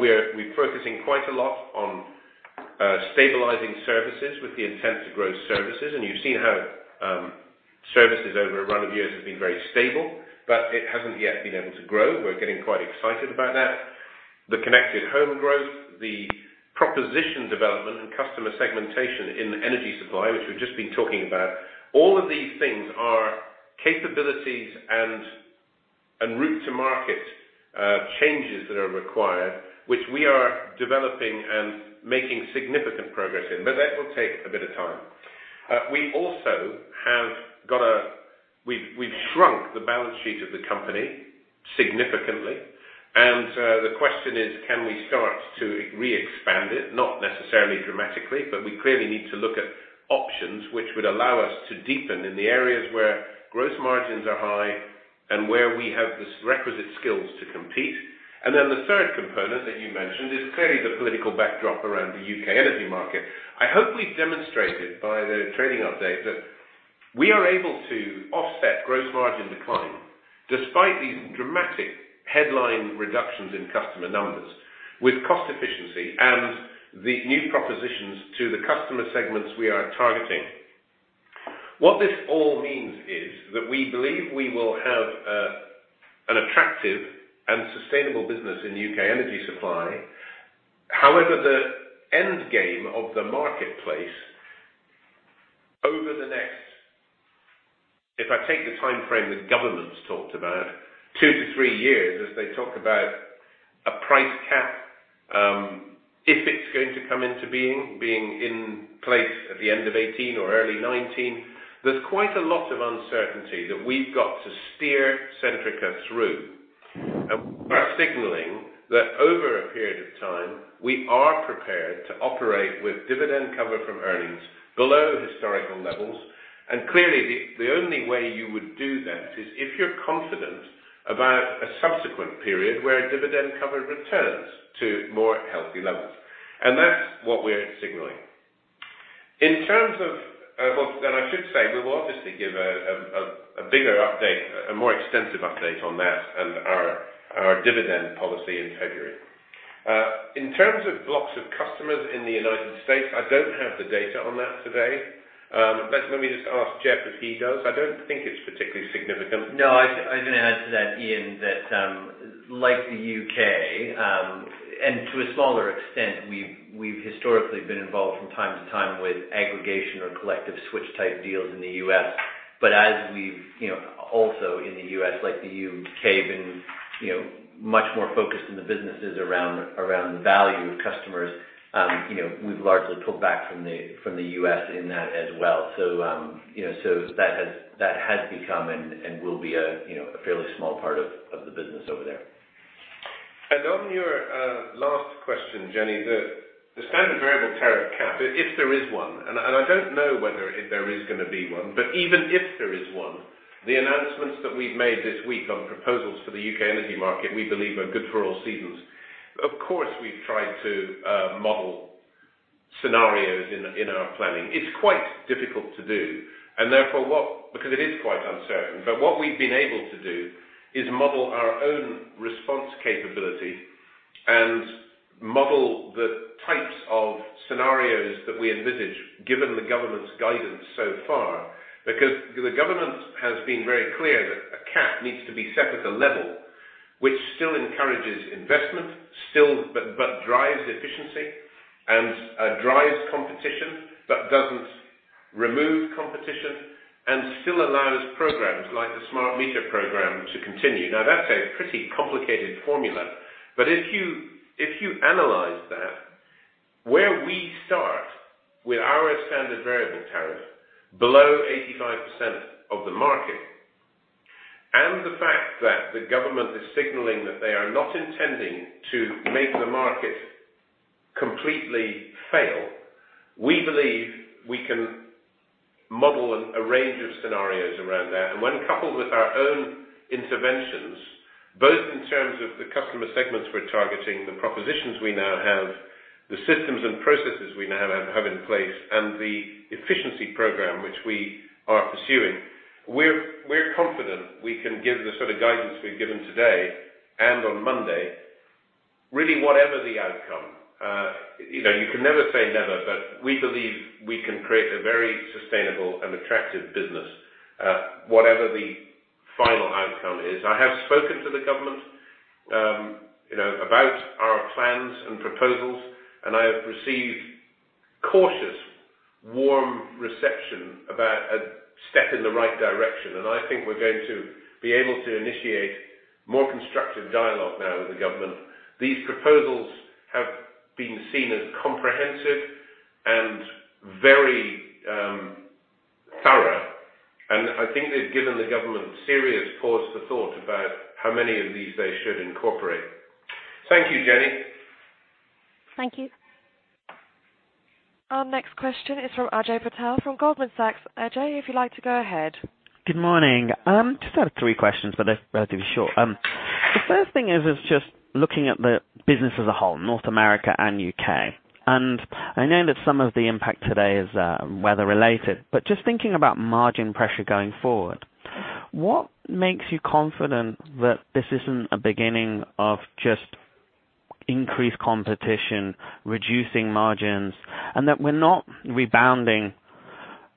We're focusing quite a lot on stabilizing services with the intent to grow services, and you've seen how services over a run of years have been very stable, but it hasn't yet been able to grow. We're getting quite excited about that. The Connected Home growth, the proposition development, and customer segmentation in energy supply, which we've just been talking about. All of these things are capabilities and route to market changes that are required, which we are developing and making significant progress in. That will take a bit of time. We've shrunk the balance sheet of the company significantly, the question is, can we start to re-expand it? Not necessarily dramatically, but we clearly need to look at options which would allow us to deepen in the areas where gross margins are high and where we have the requisite skills to compete. The third component that you mentioned is clearly the political backdrop around the U.K. energy market. I hope we've demonstrated by the trading update that we are able to offset gross margin decline despite these dramatic headline reductions in customer numbers with cost efficiency and the new propositions to the customer segments we are targeting. What this all means is that we believe we will have an attractive and sustainable business in U.K. energy supply. However, the end game of the marketplace over the next, if I take the timeframe that government's talked about, 2 to 3 years as they talk about a price cap, if it's going to come into being in place at the end of 2018 or early 2019, there's quite a lot of uncertainty that we've got to steer Centrica through. We are signaling that over a period of time, we are prepared to operate with dividend cover from earnings below historical levels. Clearly, the only way you would do that is if you're confident about a subsequent period where dividend cover returns to more healthy levels. That's what we're signaling. I should say we will obviously give a bigger update, a more extensive update on that and our dividend policy in February. In terms of blocks of customers in the U.S., I don't have the data on that today. Let me just ask Jeff if he does. I don't think it's particularly significant. No, I was going to add to that, Iain, that like the U.K., and to a smaller extent, we've historically been involved from time to time with aggregation or collective switch type deals in the U.S. As we've also in the U.S., like the U.K., been much more focused on the businesses around value customers, we've largely pulled back from the U.S. in that as well. That has become and will be a fairly small part of the business over there. On your last question, Jenny, the standard variable tariff cap, if there is one, and I don't know whether there is going to be one, but even if there is one, the announcements that we've made this week on proposals for the U.K. energy market we believe are good for all seasons. Of course, we've tried to model scenarios in our planning. It's quite difficult to do, because it is quite uncertain. But what we've been able to do is model our own response capability and model the types of scenarios that we envisage given the government's guidance so far. Because the government has been very clear that a cap needs to be set at a level which still encourages investment, but drives efficiency and drives competition, but Remove competition and still allows programs like the Smart Meter Program to continue. That's a pretty complicated formula, but if you analyze that, where we start with our standard variable tariff below 85% of the market, and the fact that the government is signaling that they are not intending to make the market completely fail, we believe we can model a range of scenarios around that. When coupled with our own interventions, both in terms of the customer segments we're targeting, the propositions we now have, the systems and processes we now have in place, and the efficiency program which we are pursuing, we're confident we can give the sort of guidance we've given today and on Monday, really whatever the outcome. You can never say never, but we believe we can create a very sustainable and attractive business, whatever the final outcome is. I have spoken to the government about our plans and proposals, I have received cautious, warm reception about a step in the right direction. I think we're going to be able to initiate more constructive dialogue now with the government. These proposals have been seen as comprehensive and very thorough, and I think they've given the government serious pause for thought about how many of these they should incorporate. Thank you, Jenny. Thank you. Our next question is from Ajay Patel from Goldman Sachs. Ajay, if you'd like to go ahead. Good morning. Just out of three questions, but they're relatively short. The first thing is just looking at the business as a whole, North America and U.K. I know that some of the impact today is weather-related, just thinking about margin pressure going forward, what makes you confident that this isn't a beginning of just increased competition, reducing margins, and that we're not rebounding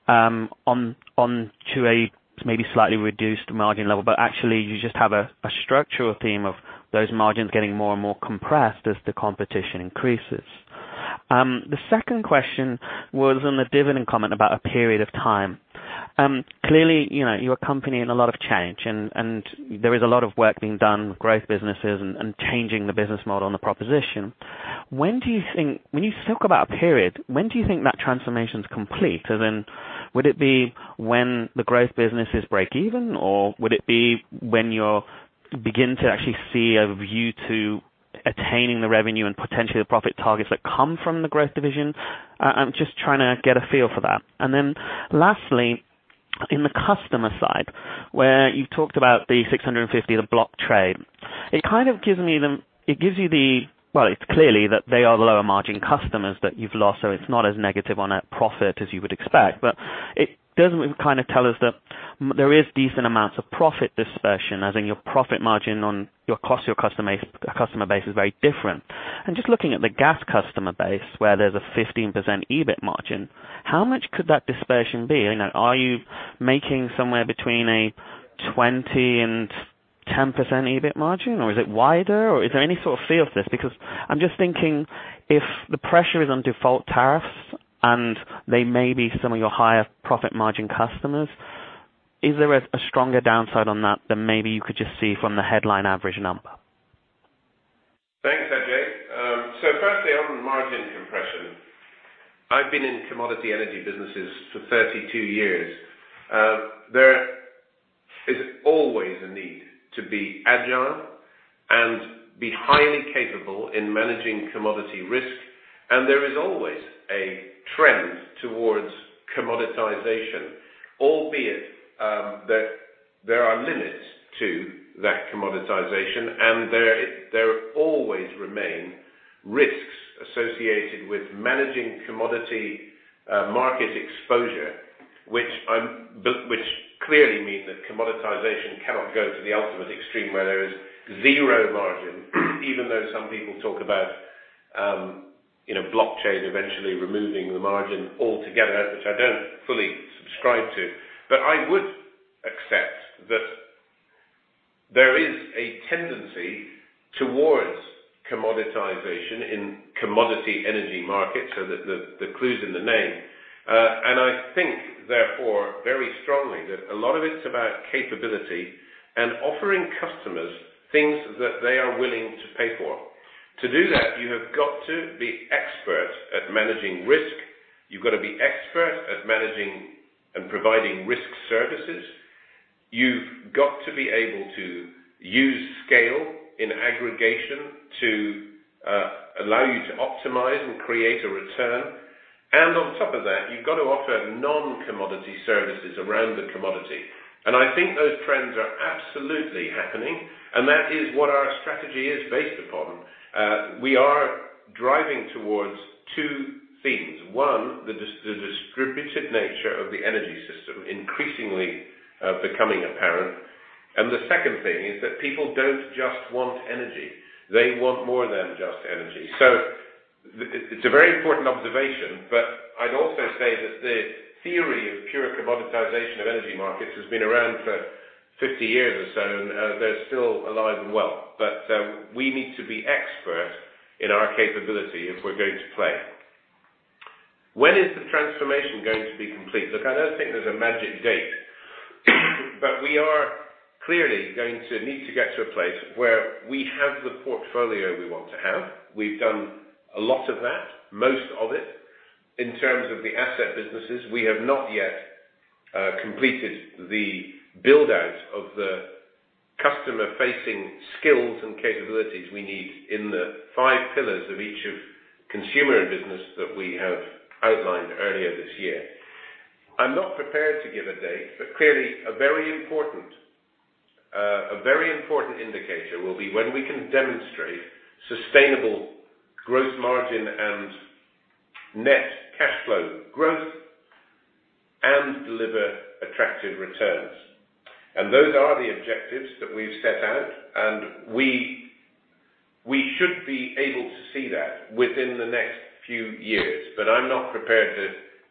onto a maybe slightly reduced margin level, but actually you just have a structural theme of those margins getting more and more compressed as the competition increases? The second question was on the dividend comment about a period of time. Clearly, you're a company in a lot of change and there is a lot of work being done with growth businesses and changing the business model and the proposition. When you talk about a period, when do you think that transformation is complete? Would it be when the growth business is break even? Would it be when you'll begin to actually see a view to attaining the revenue and potentially the profit targets that come from the growth division? I'm just trying to get a feel for that. Lastly, in the customer side, where you talked about the 650, the block trade, it gives you the Well, it's clearly that they are the lower margin customers that you've lost, so it's not as negative on a profit as you would expect. It does kind of tell us that there is decent amounts of profit dispersion as in your profit margin on your cost to your customer base is very different. Just looking at the gas customer base, where there's a 15% EBIT margin, how much could that dispersion be? Are you making somewhere between a 20% and 10% EBIT margin, or is it wider? Is there any sort of feel for this? I'm just thinking if the pressure is on default tariffs, they may be some of your higher profit margin customers, is there a stronger downside on that than maybe you could just see from the headline average number? Thanks, Ajay. So firstly, on margin compression. I've been in commodity energy businesses for 32 years. There is always a need to be agile and be highly capable in managing commodity risk, and there is always a trend towards commoditization, albeit that there are limits to that commoditization, and there always remain risks associated with managing commodity market exposure, which clearly means that commoditization cannot go to the ultimate extreme where there is zero margin, even though some people talk about blockchain eventually removing the margin altogether, which I don't fully subscribe to. I would accept that there is a tendency towards commoditization in commodity energy markets, so the clue's in the name. I think, therefore, very strongly that a lot of it's about capability and offering customers things that they are willing to pay for. To do that, you've got to be expert at managing risk. You've got to be expert at managing and providing risk services. You've got to be able to use scale in aggregation to allow you to optimize and create a return. On top of that, you've got to offer non-commodity services around the commodity. I think those trends are absolutely happening, and that is what our strategy is based upon. We are driving towards two things. One, the distributive nature of the energy system increasingly becoming apparent. The second thing is that people don't just want energy, they want more than just energy. So it's a very important observation, but I'd also say that the theory commodity monetization of energy markets has been around for 50 years or so, and they're still alive and well. We need to be expert in our capability if we're going to play. When is the transformation going to be complete? Look, I don't think there's a magic date, but we are clearly going to need to get to a place where we have the portfolio we want to have. We've done a lot of that, most of it. In terms of the asset businesses, we have not yet completed the build-out of the customer-facing skills and capabilities we need in the five pillars of each of consumer and business that we have outlined earlier this year. I'm not prepared to give a date, but clearly a very important indicator will be when we can demonstrate sustainable growth margin and net cash flow growth and deliver attractive returns. And those are the objectives that we've set out, and we should be able to see that within the next few years. I'm not prepared to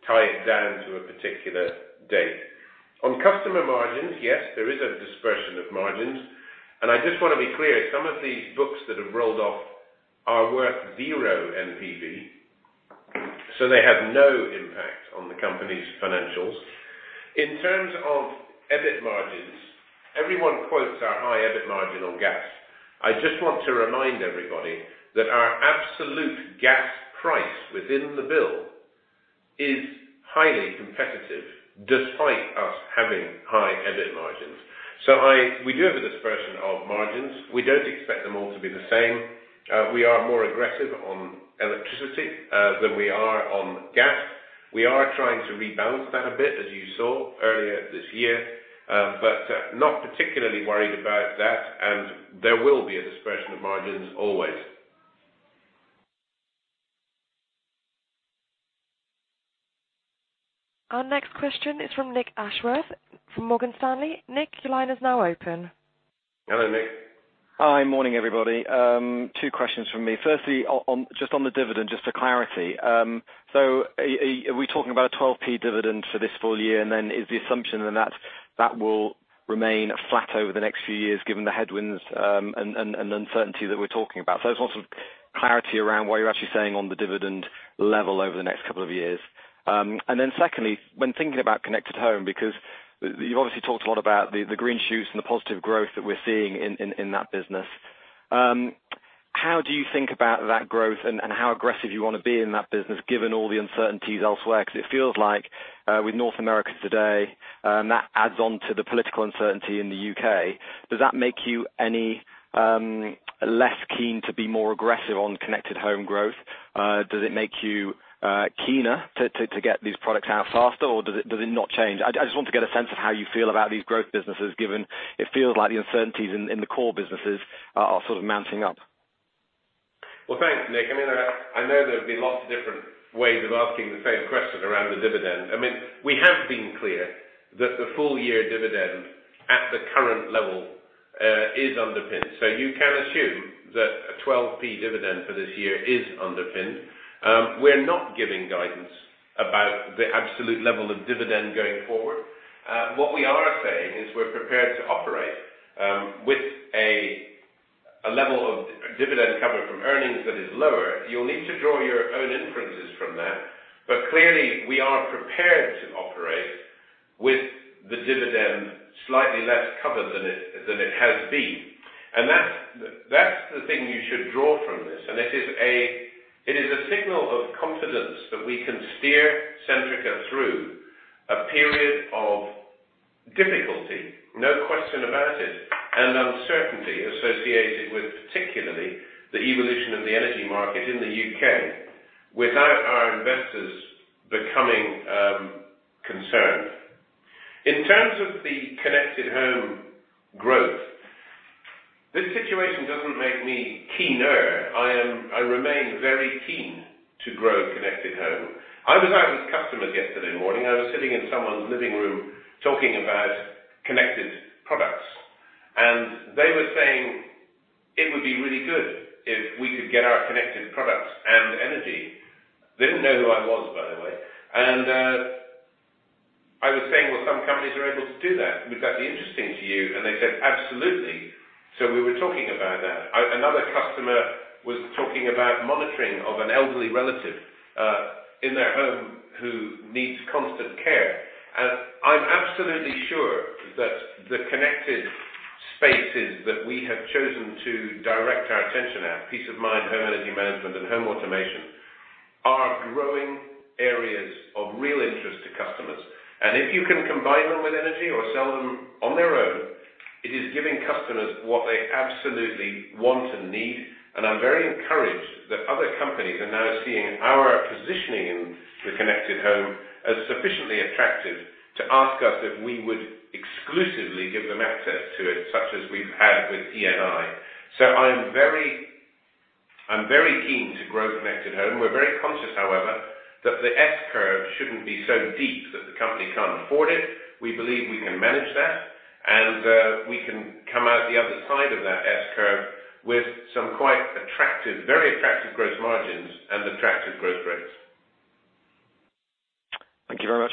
tie it down to a particular date. On customer margins, yes, there is a dispersion of margins. And I just want to be clear, some of these books that have rolled off are worth zero NPV, so they have no impact on the company's financials. In terms of EBIT margins, everyone quotes our high EBIT margin on gas. I just want to remind everybody that our absolute gas price within the bill is highly competitive despite us having high EBIT margins. So we do have a dispersion of margins. We don't expect them all to be the same. We are more aggressive on electricity than we are on gas. We are trying to rebalance that a bit, as you saw earlier this year, but not particularly worried about that, and there will be a dispersion of margins always. Our next question is from Nicholas Ashworth from Morgan Stanley. Nick, your line is now open. Hello, Nick. Hi. Morning, everybody. Two questions from me. Firstly, just on the dividend, just for clarity. Are we talking about a 0.12 dividend for this full year? Is the assumption then that that will remain flat over the next few years, given the headwinds and uncertainty that we're talking about? I just want some clarity around where you're actually saying on the dividend level over the next couple of years. Secondly, when thinking about Connected Home, you've obviously talked a lot about the green shoots and the positive growth that we're seeing in that business. How do you think about that growth and how aggressive you want to be in that business, given all the uncertainties elsewhere? It feels like with North America today, that adds on to the political uncertainty in the U.K. Does that make you any less keen to be more aggressive on Connected Home growth? Does it make you keener to get these products out faster or does it not change? I just want to get a sense of how you feel about these growth businesses, given it feels like the uncertainties in the core businesses are sort of mounting up. Well, thanks, Nick. I know there have been lots of different ways of asking the same question around the dividend. We have been clear that the full-year dividend at the current level is underpinned. You can assume that a 0.12 dividend for this year is underpinned. We're not giving guidance about the absolute level of dividend going forward. What we are saying is we're prepared to operate with a level of dividend cover from earnings that is lower. You'll need to draw your own inferences from that. Clearly, we are prepared to operate with the dividend slightly less covered than it has been. That's the thing you should draw from this. It is a signal of confidence that we can steer Centrica through a period of difficulty, no question about it, and uncertainty associated with, particularly, the evolution of the energy market in the U.K. without our investors becoming concerned. In terms of the Connected Home growth, this situation doesn't make me keener. I remain very keen to grow Connected Home. I was out with customers yesterday morning. I was sitting in someone's living room talking about connected products, and they were saying it would be really good if we could get our connected products and energy. They didn't know who I was, by the way. I was saying, "Well, some companies are able to do that. Would that be interesting to you?" They said, "Absolutely." We were talking about that. Another customer was talking about monitoring of an elderly relative in their home who needs constant care. I'm absolutely sure that the connected spaces that we have chosen to direct our attention at, peace of mind, home energy management, and home automation, are growing areas of real interest to customers. If you can combine them with energy or sell them on their own, it is giving customers what they absolutely want and need. I'm very encouraged that other companies are now seeing our positioning in the Connected Home as sufficiently attractive to ask us if we would exclusively give them access to it, such as we've had with Eni. I'm very keen to grow Connected Home. We're very conscious, however, that the S-curve shouldn't be so deep that the company can't afford it. We believe we can manage that, we can come out the other side of that S-curve with some very attractive gross margins and attractive growth rates. Thank you very much.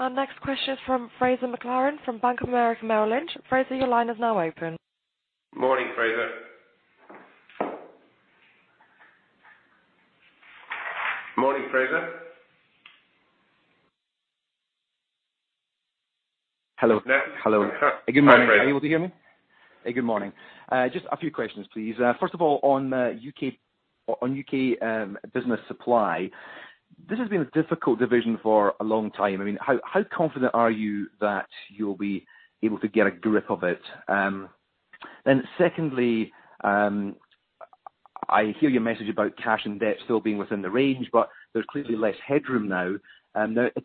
Our next question is from Fraser McLaren from Bank of America Merrill Lynch. Fraser, your line is now open. Morning, Fraser. Hello. Yes. Hello. Good morning. Hi, Fraser. Are you able to hear me? Good morning. Just a few questions, please. First of all, on UK business supply, this has been a difficult division for a long time. How confident are you that you'll be able to get a grip of it? Secondly, I hear your message about cash and debt still being within the range, but there's clearly less headroom now.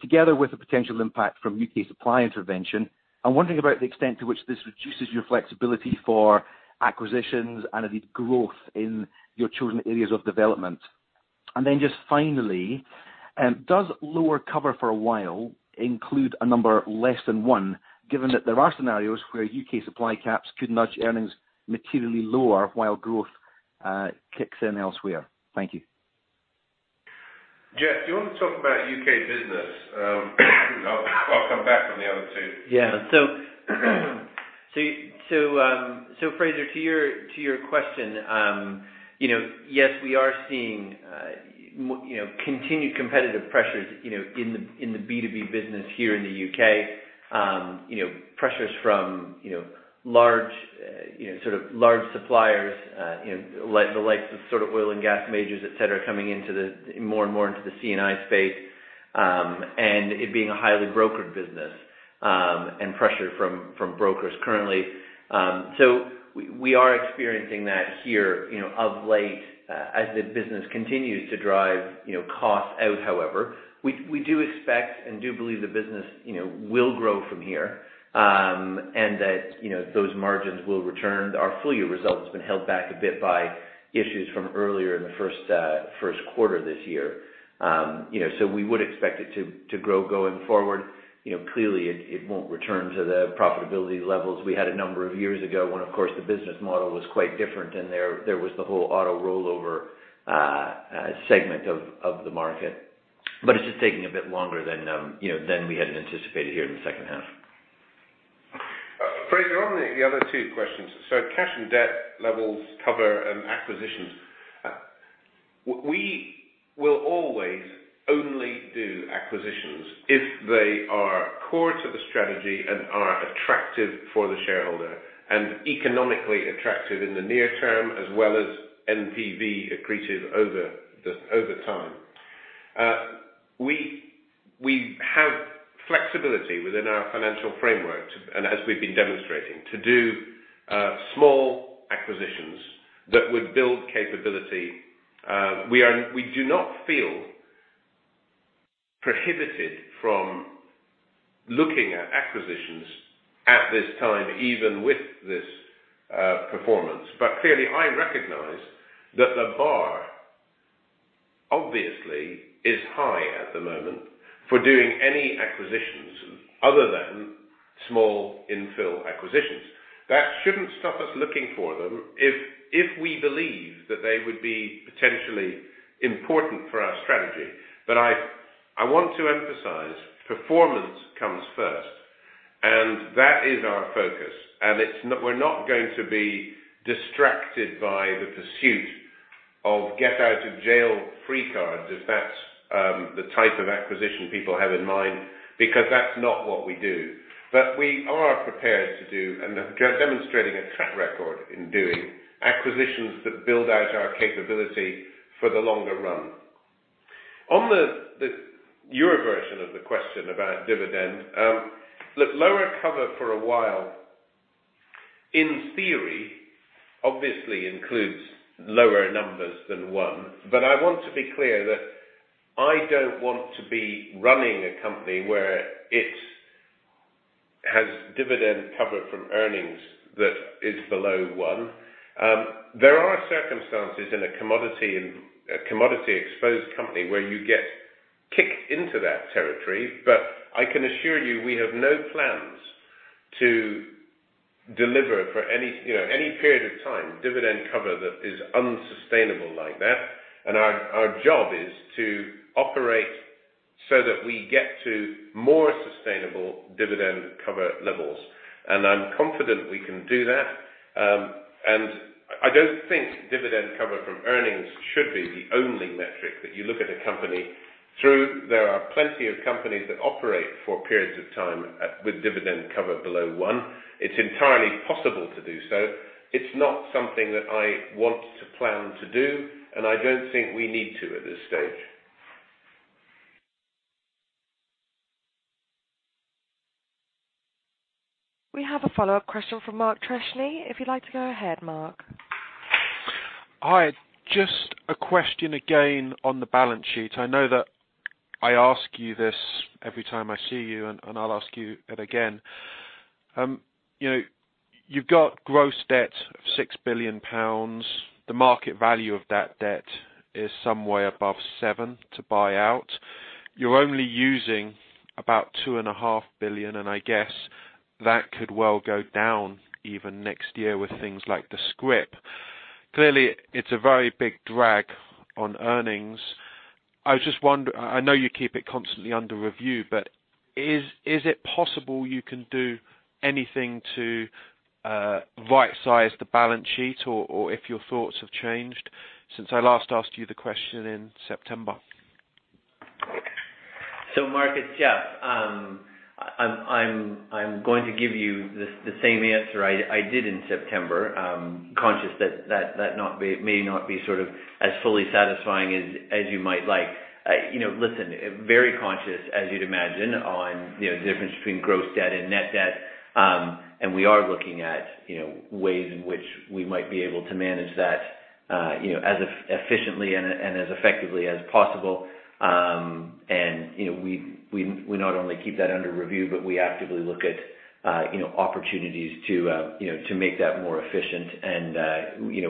Together with the potential impact from UK supply intervention, I'm wondering about the extent to which this reduces your flexibility for acquisitions and indeed growth in your chosen areas of development. Just finally, does lower cover for a while include a number less than one, given that there are scenarios where UK supply caps could nudge earnings materially lower while growth kicks in elsewhere? Thank you. Jeff, do you want to talk about UK business? I'll come back on the other two. Yeah. Fraser, to your question, yes, we are seeing continued competitive pressures in the B2B business here in the U.K. Pressures from large suppliers, the likes of oil and gas majors, et cetera, coming more and more into the C&I space, and it being a highly brokered business, and pressure from brokers currently. We are experiencing that here of late. As the business continues to drive costs out, however, we do expect and do believe the business will grow from here, and that those margins will return. Our full-year result has been held back a bit by issues from earlier in the first quarter this year. We would expect it to grow going forward. Clearly, it won't return to the profitability levels we had a number of years ago, when, of course, the business model was quite different and there was the whole auto rollover segment of the market. It's just taking a bit longer than we had anticipated here in the second half. Fraser, on the other two questions, cash and debt levels cover acquisitions. We will always only do acquisitions if they are core to the strategy and are attractive for the shareholder and economically attractive in the near term, as well as NPV accretive over time. We have flexibility within our financial framework, and as we've been demonstrating, to do small acquisitions that would build capability. We do not feel prohibited from looking at acquisitions at this time, even with this performance. Clearly, I recognize that the bar obviously is high at the moment for doing any acquisitions other than small infill acquisitions. That shouldn't stop us looking for them if we believe that they would be potentially important for our strategy. I want to emphasize, performance comes first, and that is our focus. We're not going to be distracted by the pursuit of get-out-of-jail-free cards, if that's the type of acquisition people have in mind, because that's not what we do. We are prepared to do, and are demonstrating a track record in doing, acquisitions that build out our capability for the longer run. On your version of the question about dividend, look, lower cover for a while, in theory, obviously includes lower numbers than one. I want to be clear that I don't want to be running a company where it has dividend cover from earnings that is below one. There are circumstances in a commodity-exposed company where you get kicked into that territory, but I can assure you, we have no plans to deliver for any period of time dividend cover that is unsustainable like that. Our job is to operate so that we get to more sustainable dividend cover levels. I'm confident we can do that. I don't think dividend cover from earnings should be the only metric that you look at a company through. There are plenty of companies that operate for periods of time with dividend cover below one. It's entirely possible to do so. It's not something that I want to plan to do, and I don't think we need to at this stage. We have a follow-up question from Mark Freshney. If you'd like to go ahead, Mark. Hi. Just a question again on the balance sheet. I know that I ask you this every time I see you, I'll ask you it again. You've got gross debt of 6 billion pounds. The market value of that debt is some way above 7 to buy out. You're only using about 2.5 billion, I guess that could well go down even next year with things like the scrip. Clearly, it's a very big drag on earnings. I know you keep it constantly under review, is it possible you can do anything to right-size the balance sheet, or if your thoughts have changed since I last asked you the question in September? Marcus, yeah. I'm going to give you the same answer I did in September. Conscious that that may not be sort of as fully satisfying as you might like. Listen, very conscious, as you'd imagine, on the difference between gross debt and net debt. We are looking at ways in which we might be able to manage that as efficiently and as effectively as possible. We not only keep that under review, but we actively look at opportunities to make that more efficient.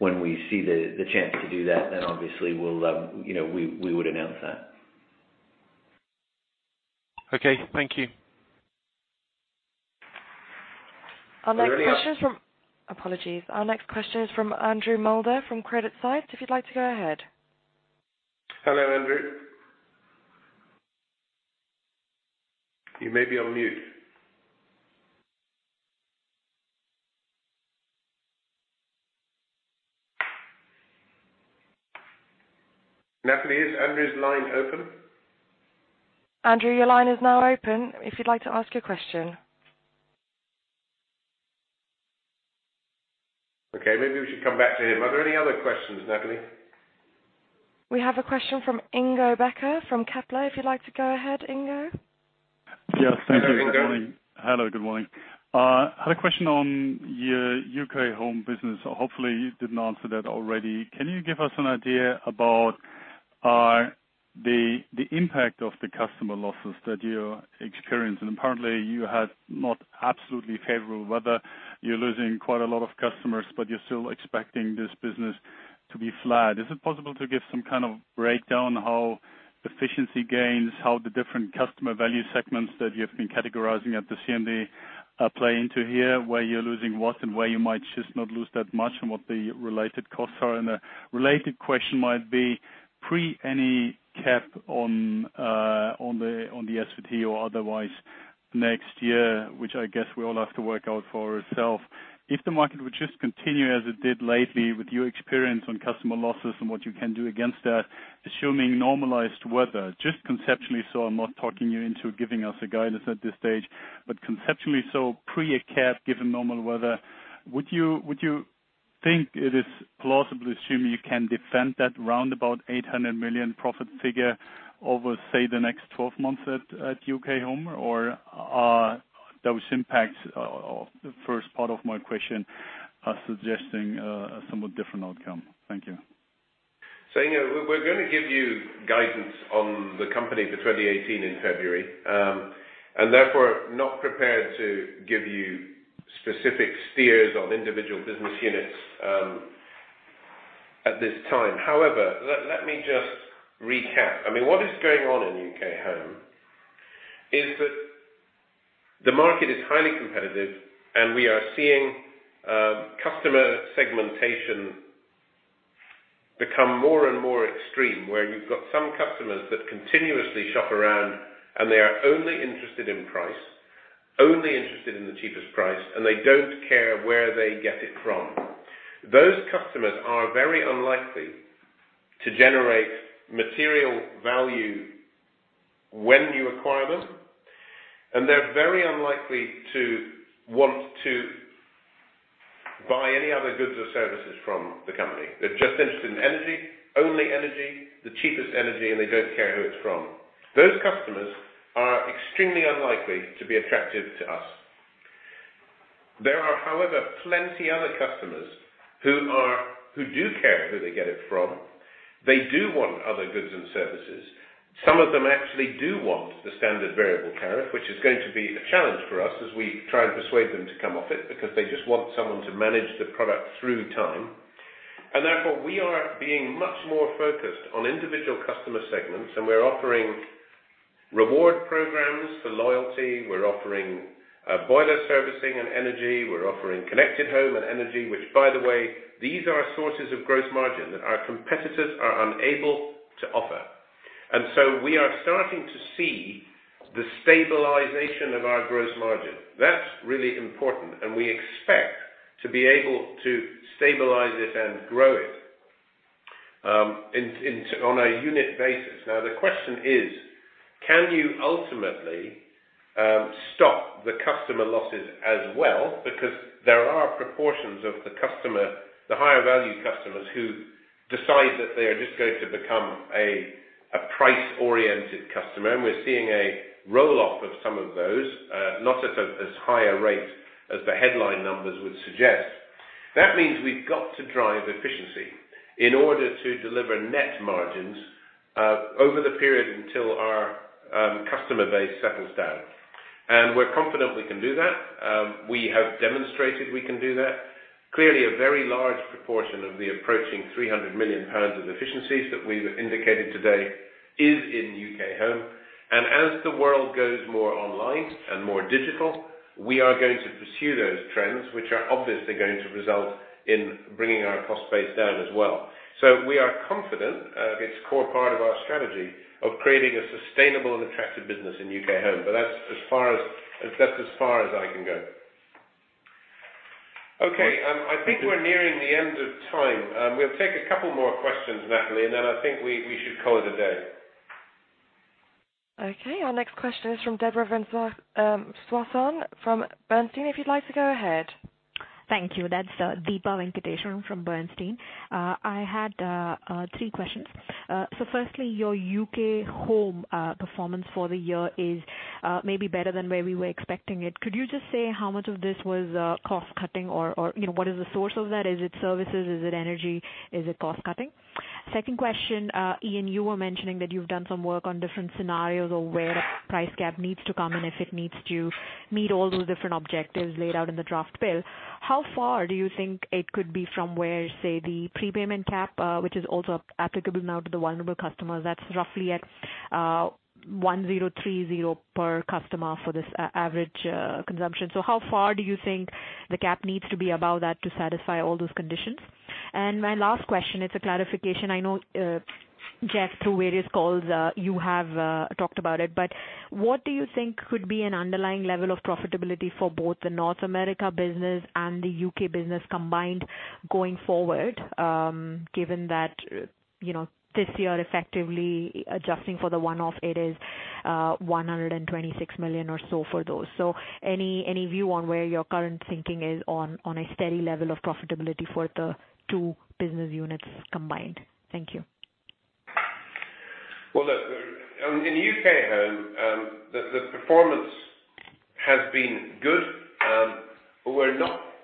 When we see the chance to do that, obviously we would announce that. Okay, thank you. Our next question is from. Are there any other. Apologies. Our next question is from Andrew Mulder from CreditSights. If you'd like to go ahead. Hello, Andrew. You may be on mute. Natalie, is Andrew's line open? Andrew, your line is now open if you'd like to ask your question. Okay, maybe we should come back to him. Are there any other questions, Natalie? We have a question from Ingo Becker from Kepler. If you'd like to go ahead, Ingo. Yes. Thank you. Hello, Ingo. Hello, good morning. Had a question on your UK Home business. Hopefully, you didn't answer that already. Can you give us an idea about the impact of the customer losses that you're experiencing? Apparently, you had not absolutely favorable weather. You're losing quite a lot of customers, but you're still expecting this business to be flat. Is it possible to give some kind of breakdown how efficiency gains, how the different customer value segments that you have been categorizing at the CMD play into here, where you're losing what and where you might just not lose that much and what the related costs are? A related question might be pre any cap on the SVT or otherwise next year, which I guess we all have to work out for ourself. If the market would just continue as it did lately with your experience on customer losses and what you can do against that, assuming normalized weather, just conceptually so I'm not talking you into giving us a guidance at this stage, but conceptually so pre a cap, given normal weather, would you think it is plausible to assume you can defend that round about 800 million profit figure over, say, the next 12 months at UK Home, or are those impacts of the first part of my question are suggesting a somewhat different outcome? Thank you. Ingo, we're going to give you guidance on the company for 2018 in February, and therefore not prepared to give you specific steers on individual business units at this time. However, let me just recap. What is going on in UK Home is that the market is highly competitive, and we are seeing customer segmentation become more and more extreme, where you've got some customers that continuously shop around, and they are only interested in price, only interested in the cheapest price, and they don't care where they get it from. Those customers are very unlikely to generate material value when you acquire them, and they're very unlikely to want to buy any other goods or services from the company. They're just interested in energy, only energy, the cheapest energy, and they don't care who it's from. Those customers are extremely unlikely to be attractive to us. There are, however, plenty other customers who do care who they get it from. They do want other goods and services. Some of them actually do want the standard variable tariff, which is going to be a challenge for us as we try and persuade them to come off it because they just want someone to manage the product through time. Therefore, we are being much more focused on individual customer segments, and we're offering reward programs for loyalty. We're offering boiler servicing and energy. We're offering Connected Home and energy, which, by the way, these are sources of gross margin that our competitors are unable to offer. So we are starting to see the stabilization of our gross margin. That's really important, and we expect to be able to stabilize it and grow it on a unit basis. Now, the question is: Can you ultimately stop the customer losses as well? Because there are proportions of the higher value customers who decide that they are just going to become a price-oriented customer, and we're seeing a roll-off of some of those, not at as high a rate as the headline numbers would suggest. That means we've got to drive efficiency in order to deliver net margins over the period until our customer base settles down. We're confident we can do that. We have demonstrated we can do that. Clearly, a very large proportion of the approaching 300 million pounds of efficiencies that we've indicated today is in UK Home. As the world goes more online and more digital, we are going to pursue those trends, which are obviously going to result in bringing our cost base down as well. We are confident. It's a core part of our strategy of creating a sustainable and attractive business in UK Home, but that's as far as I can go. Okay. I think we're nearing the end of time. We'll take a couple more questions, Natalie, and then I think we should call it a day. Okay. Our next question is from Deepa Venkateswaran from Bernstein. If you'd like to go ahead. Thank you. That is Deepa Venkateswaran from Bernstein. I had three questions. Firstly, your UK Home performance for the year is maybe better than where we were expecting it. Could you just say how much of this was cost-cutting or what is the source of that? Is it services? Is it energy? Is it cost-cutting? Second question, Iain, you were mentioning that you have done some work on different scenarios of where the price cap needs to come and if it needs to meet all those different objectives laid out in the draft bill. How far do you think it could be from where, say, the prepayment cap, which is also applicable now to the vulnerable customers, that is roughly at 1,030 per customer for this average consumption. How far do you think the cap needs to be above that to satisfy all those conditions? My last question, it is a clarification. I know, Jeff, through various calls, you have talked about it, but what do you think could be an underlying level of profitability for both the North America business and the U.K. business combined going forward? Given that this year, effectively adjusting for the one-off, it is 126 million or so for those. Any view on where your current thinking is on a steady level of profitability for the two business units combined? Thank you. Well, look, in UK Home, the performance has been good. I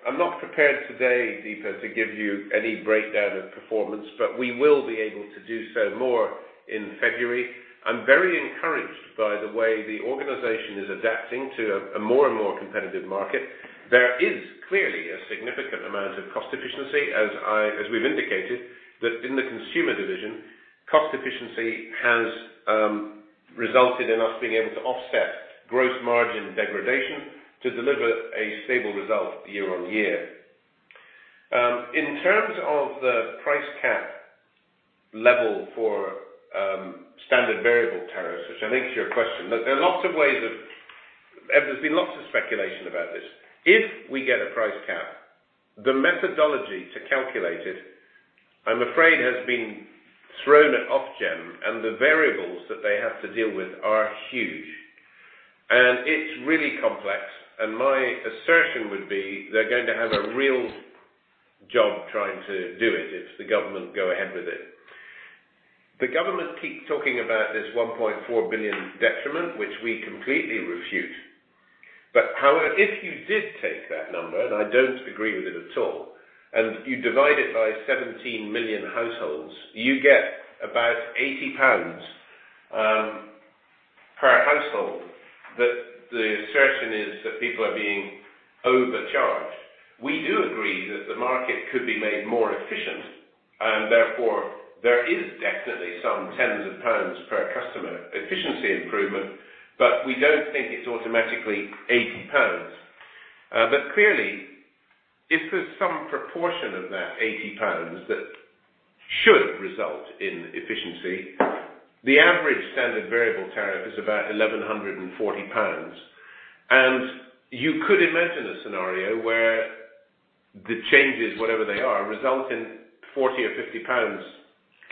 am not prepared today, Deepa, to give you any breakdown of performance, but we will be able to do so more in February. I am very encouraged by the way the organization is adapting to a more and more competitive market. There is clearly a significant amount of cost efficiency as we have indicated, that in the consumer division, cost efficiency has resulted in us being able to offset gross margin degradation to deliver a stable result year-on-year. In terms of the price cap level for standard variable tariffs, which I think is your question, there has been lots of speculation about this. If we get a price cap, the methodology to calculate it, I am afraid, has been thrown at Ofgem, and the variables that they have to deal with are huge. It is really complex, and my assertion would be they are going to have a real job trying to do it if the government go ahead with it. The government keeps talking about this 1.4 billion detriment, which we completely refute. However, if you did take that number, and I do not agree with it at all, and you divide it by 17 million households, you get about 80 pounds per household that the assertion is that people are being overcharged. We do agree that the market could be made more efficient, and therefore there is definitely some tens of GBP per customer efficiency improvement, but we do not think it is automatically 80 pounds. Clearly, if there is some proportion of that 80 pounds that should result in efficiency, the average standard variable tariff is about 1,140 pounds. You could imagine a scenario where the changes, whatever they are, result in 40 or 50 pounds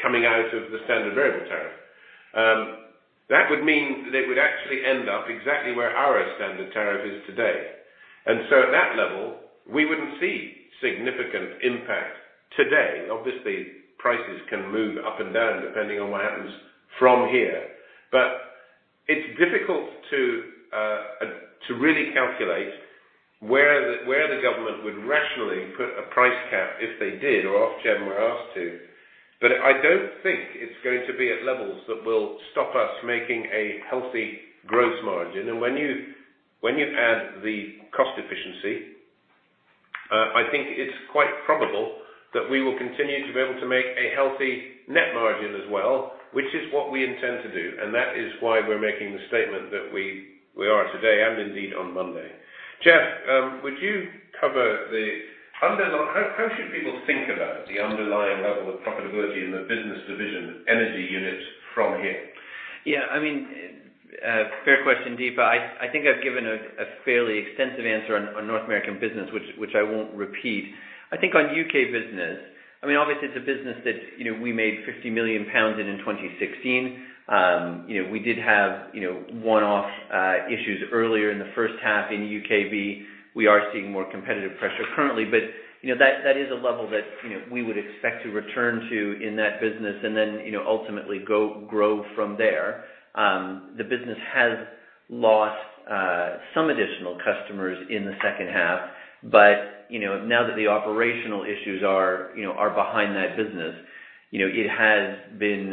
coming out of the standard variable tariff. That would mean they would actually end up exactly where our standard tariff is today. At that level, we wouldn't see significant impact today. Obviously, prices can move up and down depending on what happens from here. It's difficult to really calculate where the government would rationally put a price cap if they did or Ofgem were asked to. I don't think it's going to be at levels that will stop us making a healthy gross margin. When you add the cost efficiency, I think it's quite probable that we will continue to be able to make a healthy net margin as well, which is what we intend to do, and that is why we're making the statement that we are today and indeed on Monday. Jeff, how should people think about the underlying level of profitability in the business division energy unit from here? Fair question, Deepa. I think I've given a fairly extensive answer on North American business, which I won't repeat. I think on U.K. business, obviously it's a business that we made 50 million pounds in 2016. We did have one-off issues earlier in the first half in UKB. We are seeing more competitive pressure currently, that is a level that we would expect to return to in that business and then ultimately grow from there. The business has lost some additional customers in the second half, now that the operational issues are behind that business, it has been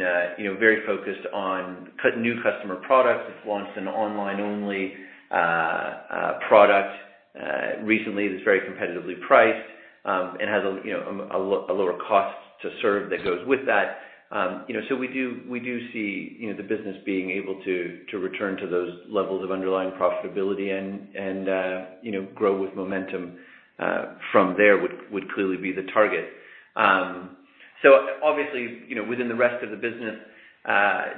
very focused on new customer products. It's launched an online-only product recently that's very competitively priced and has a lower cost to serve that goes with that. We do see the business being able to return to those levels of underlying profitability and grow with momentum from there would clearly be the target. Obviously, within the rest of the business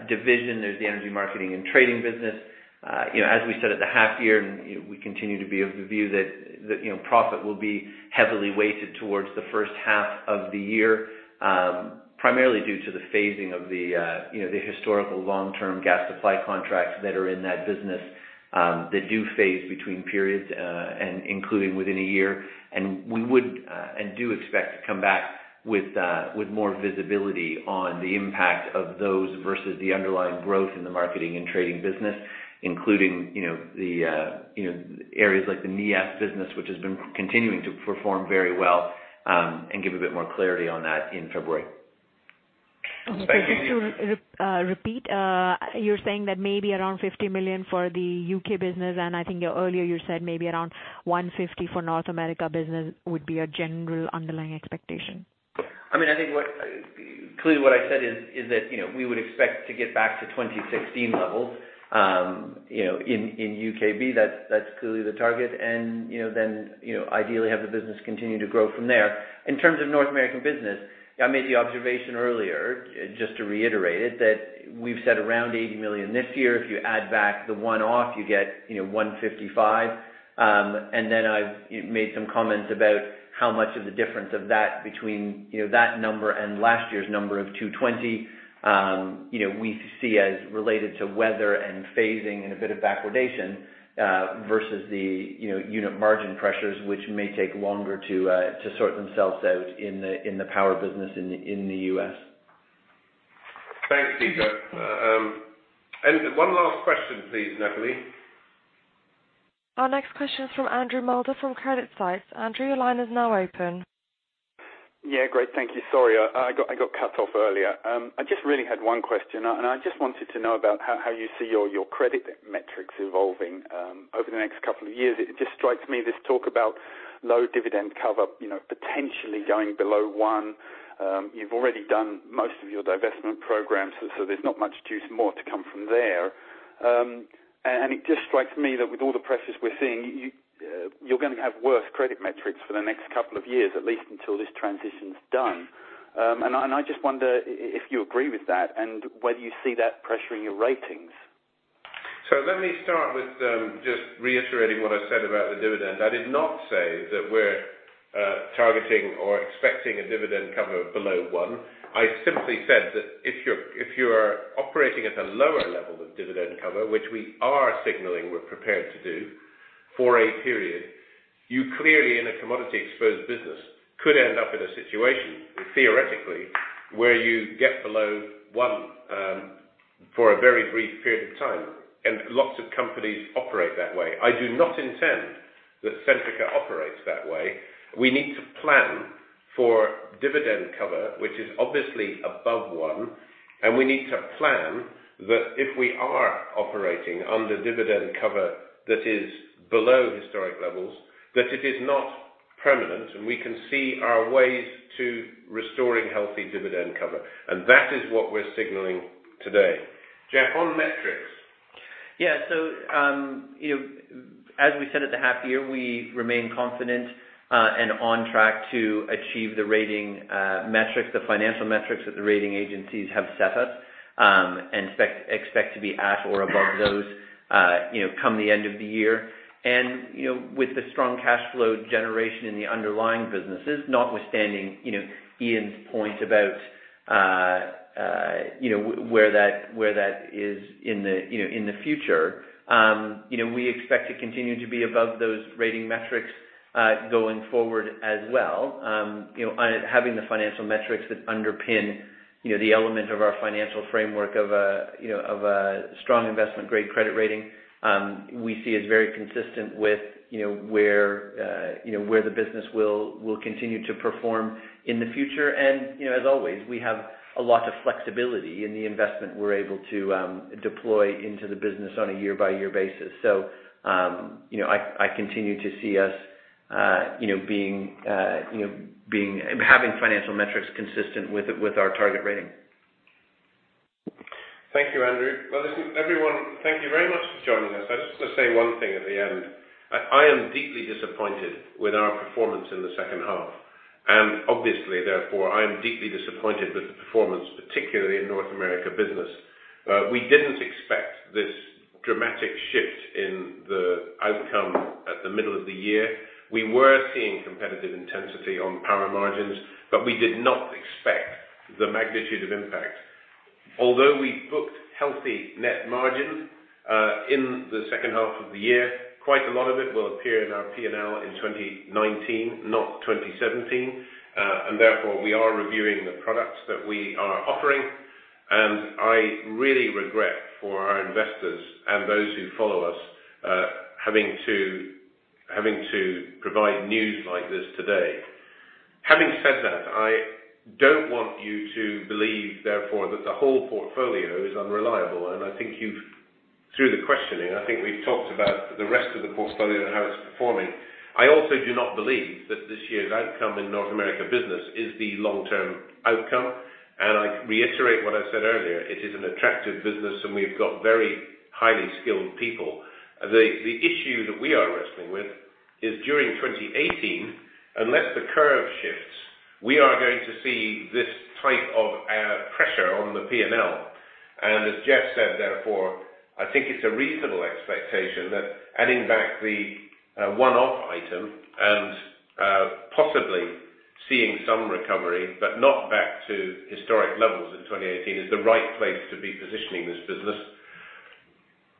division, there's the Energy Marketing & Trading business. As we said at the half year, we continue to be of the view that profit will be heavily weighted towards the first half of the year, primarily due to the phasing of the historical long-term gas supply contracts that are in that business, that do phase between periods, including within a year. We would and do expect to come back with more visibility on the impact of those versus the underlying growth in the marketing and trading business, including areas like the Neas business, which has been continuing to perform very well, and give a bit more clarity on that in February. Okay. Just to repeat, you're saying that maybe around 50 million for the U.K. business, and I think earlier you said maybe around 150 million for North America business would be a general underlying expectation? What I said is that, we would expect to get back to 2016 levels in UKB. That's clearly the target then ideally have the business continue to grow from there. In terms of North American business, I made the observation earlier, just to reiterate it, that we've said around 80 million this year. If you add back the one-off, you get 155 million. Then I've made some comments about how much of the difference of that between that number and last year's number of 220 million we see as related to weather and phasing and a bit of backwardation versus the unit margin pressures which may take longer to sort themselves out in the power business in the U.S. Thanks, Deepa. One last question, please, Natalie. Our next question is from Andrew Mulder from CreditSights. Andrew, your line is now open. Yeah, great. Thank you. Sorry, I got cut off earlier. I just really had one question, and I just wanted to know about how you see your credit metrics evolving over the next couple of years. It just strikes me, this talk about low dividend cover potentially going below one. You've already done most of your divestment programs, so there's not much juice more to come from there. It just strikes me that with all the pressures we're seeing, you're going to have worse credit metrics for the next couple of years, at least until this transition is done. I just wonder if you agree with that and whether you see that pressuring your ratings. Let me start with just reiterating what I said about the dividend. I did not say that we're targeting or expecting a dividend cover below one. I simply said that if you're operating at a lower level of dividend cover, which we are signaling we're prepared to do for a period, you clearly in a commodity-exposed business, could end up in a situation, theoretically, where you get below one for a very brief period of time, and lots of companies operate that way. I do not intend that Centrica operates that way. We need to plan for dividend cover, which is obviously above one, and we need to plan that if we are operating under dividend cover that is below historic levels, that it is not permanent, and we can see our ways to restoring healthy dividend cover. That is what we're signaling today. Jeff, on metrics. Yeah. As we said at the half year, we remain confident, and on track to achieve the rating metrics, the financial metrics that the rating agencies have set us, and expect to be at or above those, come the end of the year. With the strong cash flow generation in the underlying businesses, notwithstanding Iain's point about where that is in the future. We expect to continue to be above those rating metrics, going forward as well. Having the financial metrics that underpin the element of our financial framework of a strong investment-grade credit rating, we see as very consistent with where the business will continue to perform in the future. As always, we have a lot of flexibility in the investment we're able to deploy into the business on a year-by-year basis. I continue to see us having financial metrics consistent with our target rating. Thank you, Andrew. Listen everyone, thank you very much for joining us. I just want to say one thing at the end. I am deeply disappointed with our performance in the second half, and obviously, therefore, I am deeply disappointed with the performance, particularly in North America business. We didn't expect this dramatic shift in the outcome at the middle of the year. We were seeing competitive intensity on power margins, but we did not expect the magnitude of impact. Although we booked healthy net margins, in the second half of the year, quite a lot of it will appear in our P&L in 2019, not 2017. Therefore, we are reviewing the products that we are offering, and I really regret for our investors and those who follow us, having to provide news like this today. Having said that, I don't want you to believe, therefore, that the whole portfolio is unreliable. I think you've, through the questioning, I think we've talked about the rest of the portfolio and how it's performing. I also do not believe that this year's outcome in North America business is the long-term outcome. I reiterate what I said earlier, it is an attractive business, and we've got very highly skilled people. The issue that we are wrestling with is during 2018, unless the curve shifts, we are going to see this type of pressure on the P&L. As Jeff said, therefore, I think it's a reasonable expectation that adding back the one-off item and possibly seeing some recovery, but not back to historic levels in 2018, is the right place to be positioning this business.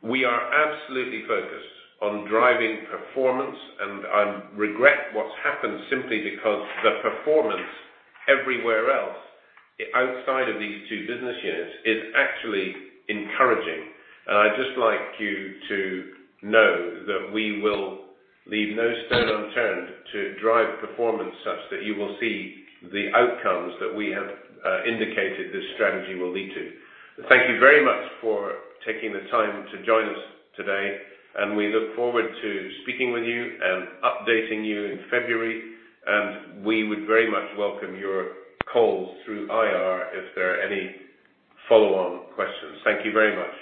We are absolutely focused on driving performance, and I regret what's happened simply because the performance everywhere else outside of these two business units is actually encouraging. I'd just like you to know that we will leave no stone unturned to drive performance such that you will see the outcomes that we have indicated this strategy will lead to. Thank you very much for taking the time to join us today, and we look forward to speaking with you and updating you in February. We would very much welcome your calls through IR if there are any follow-on questions. Thank you very much.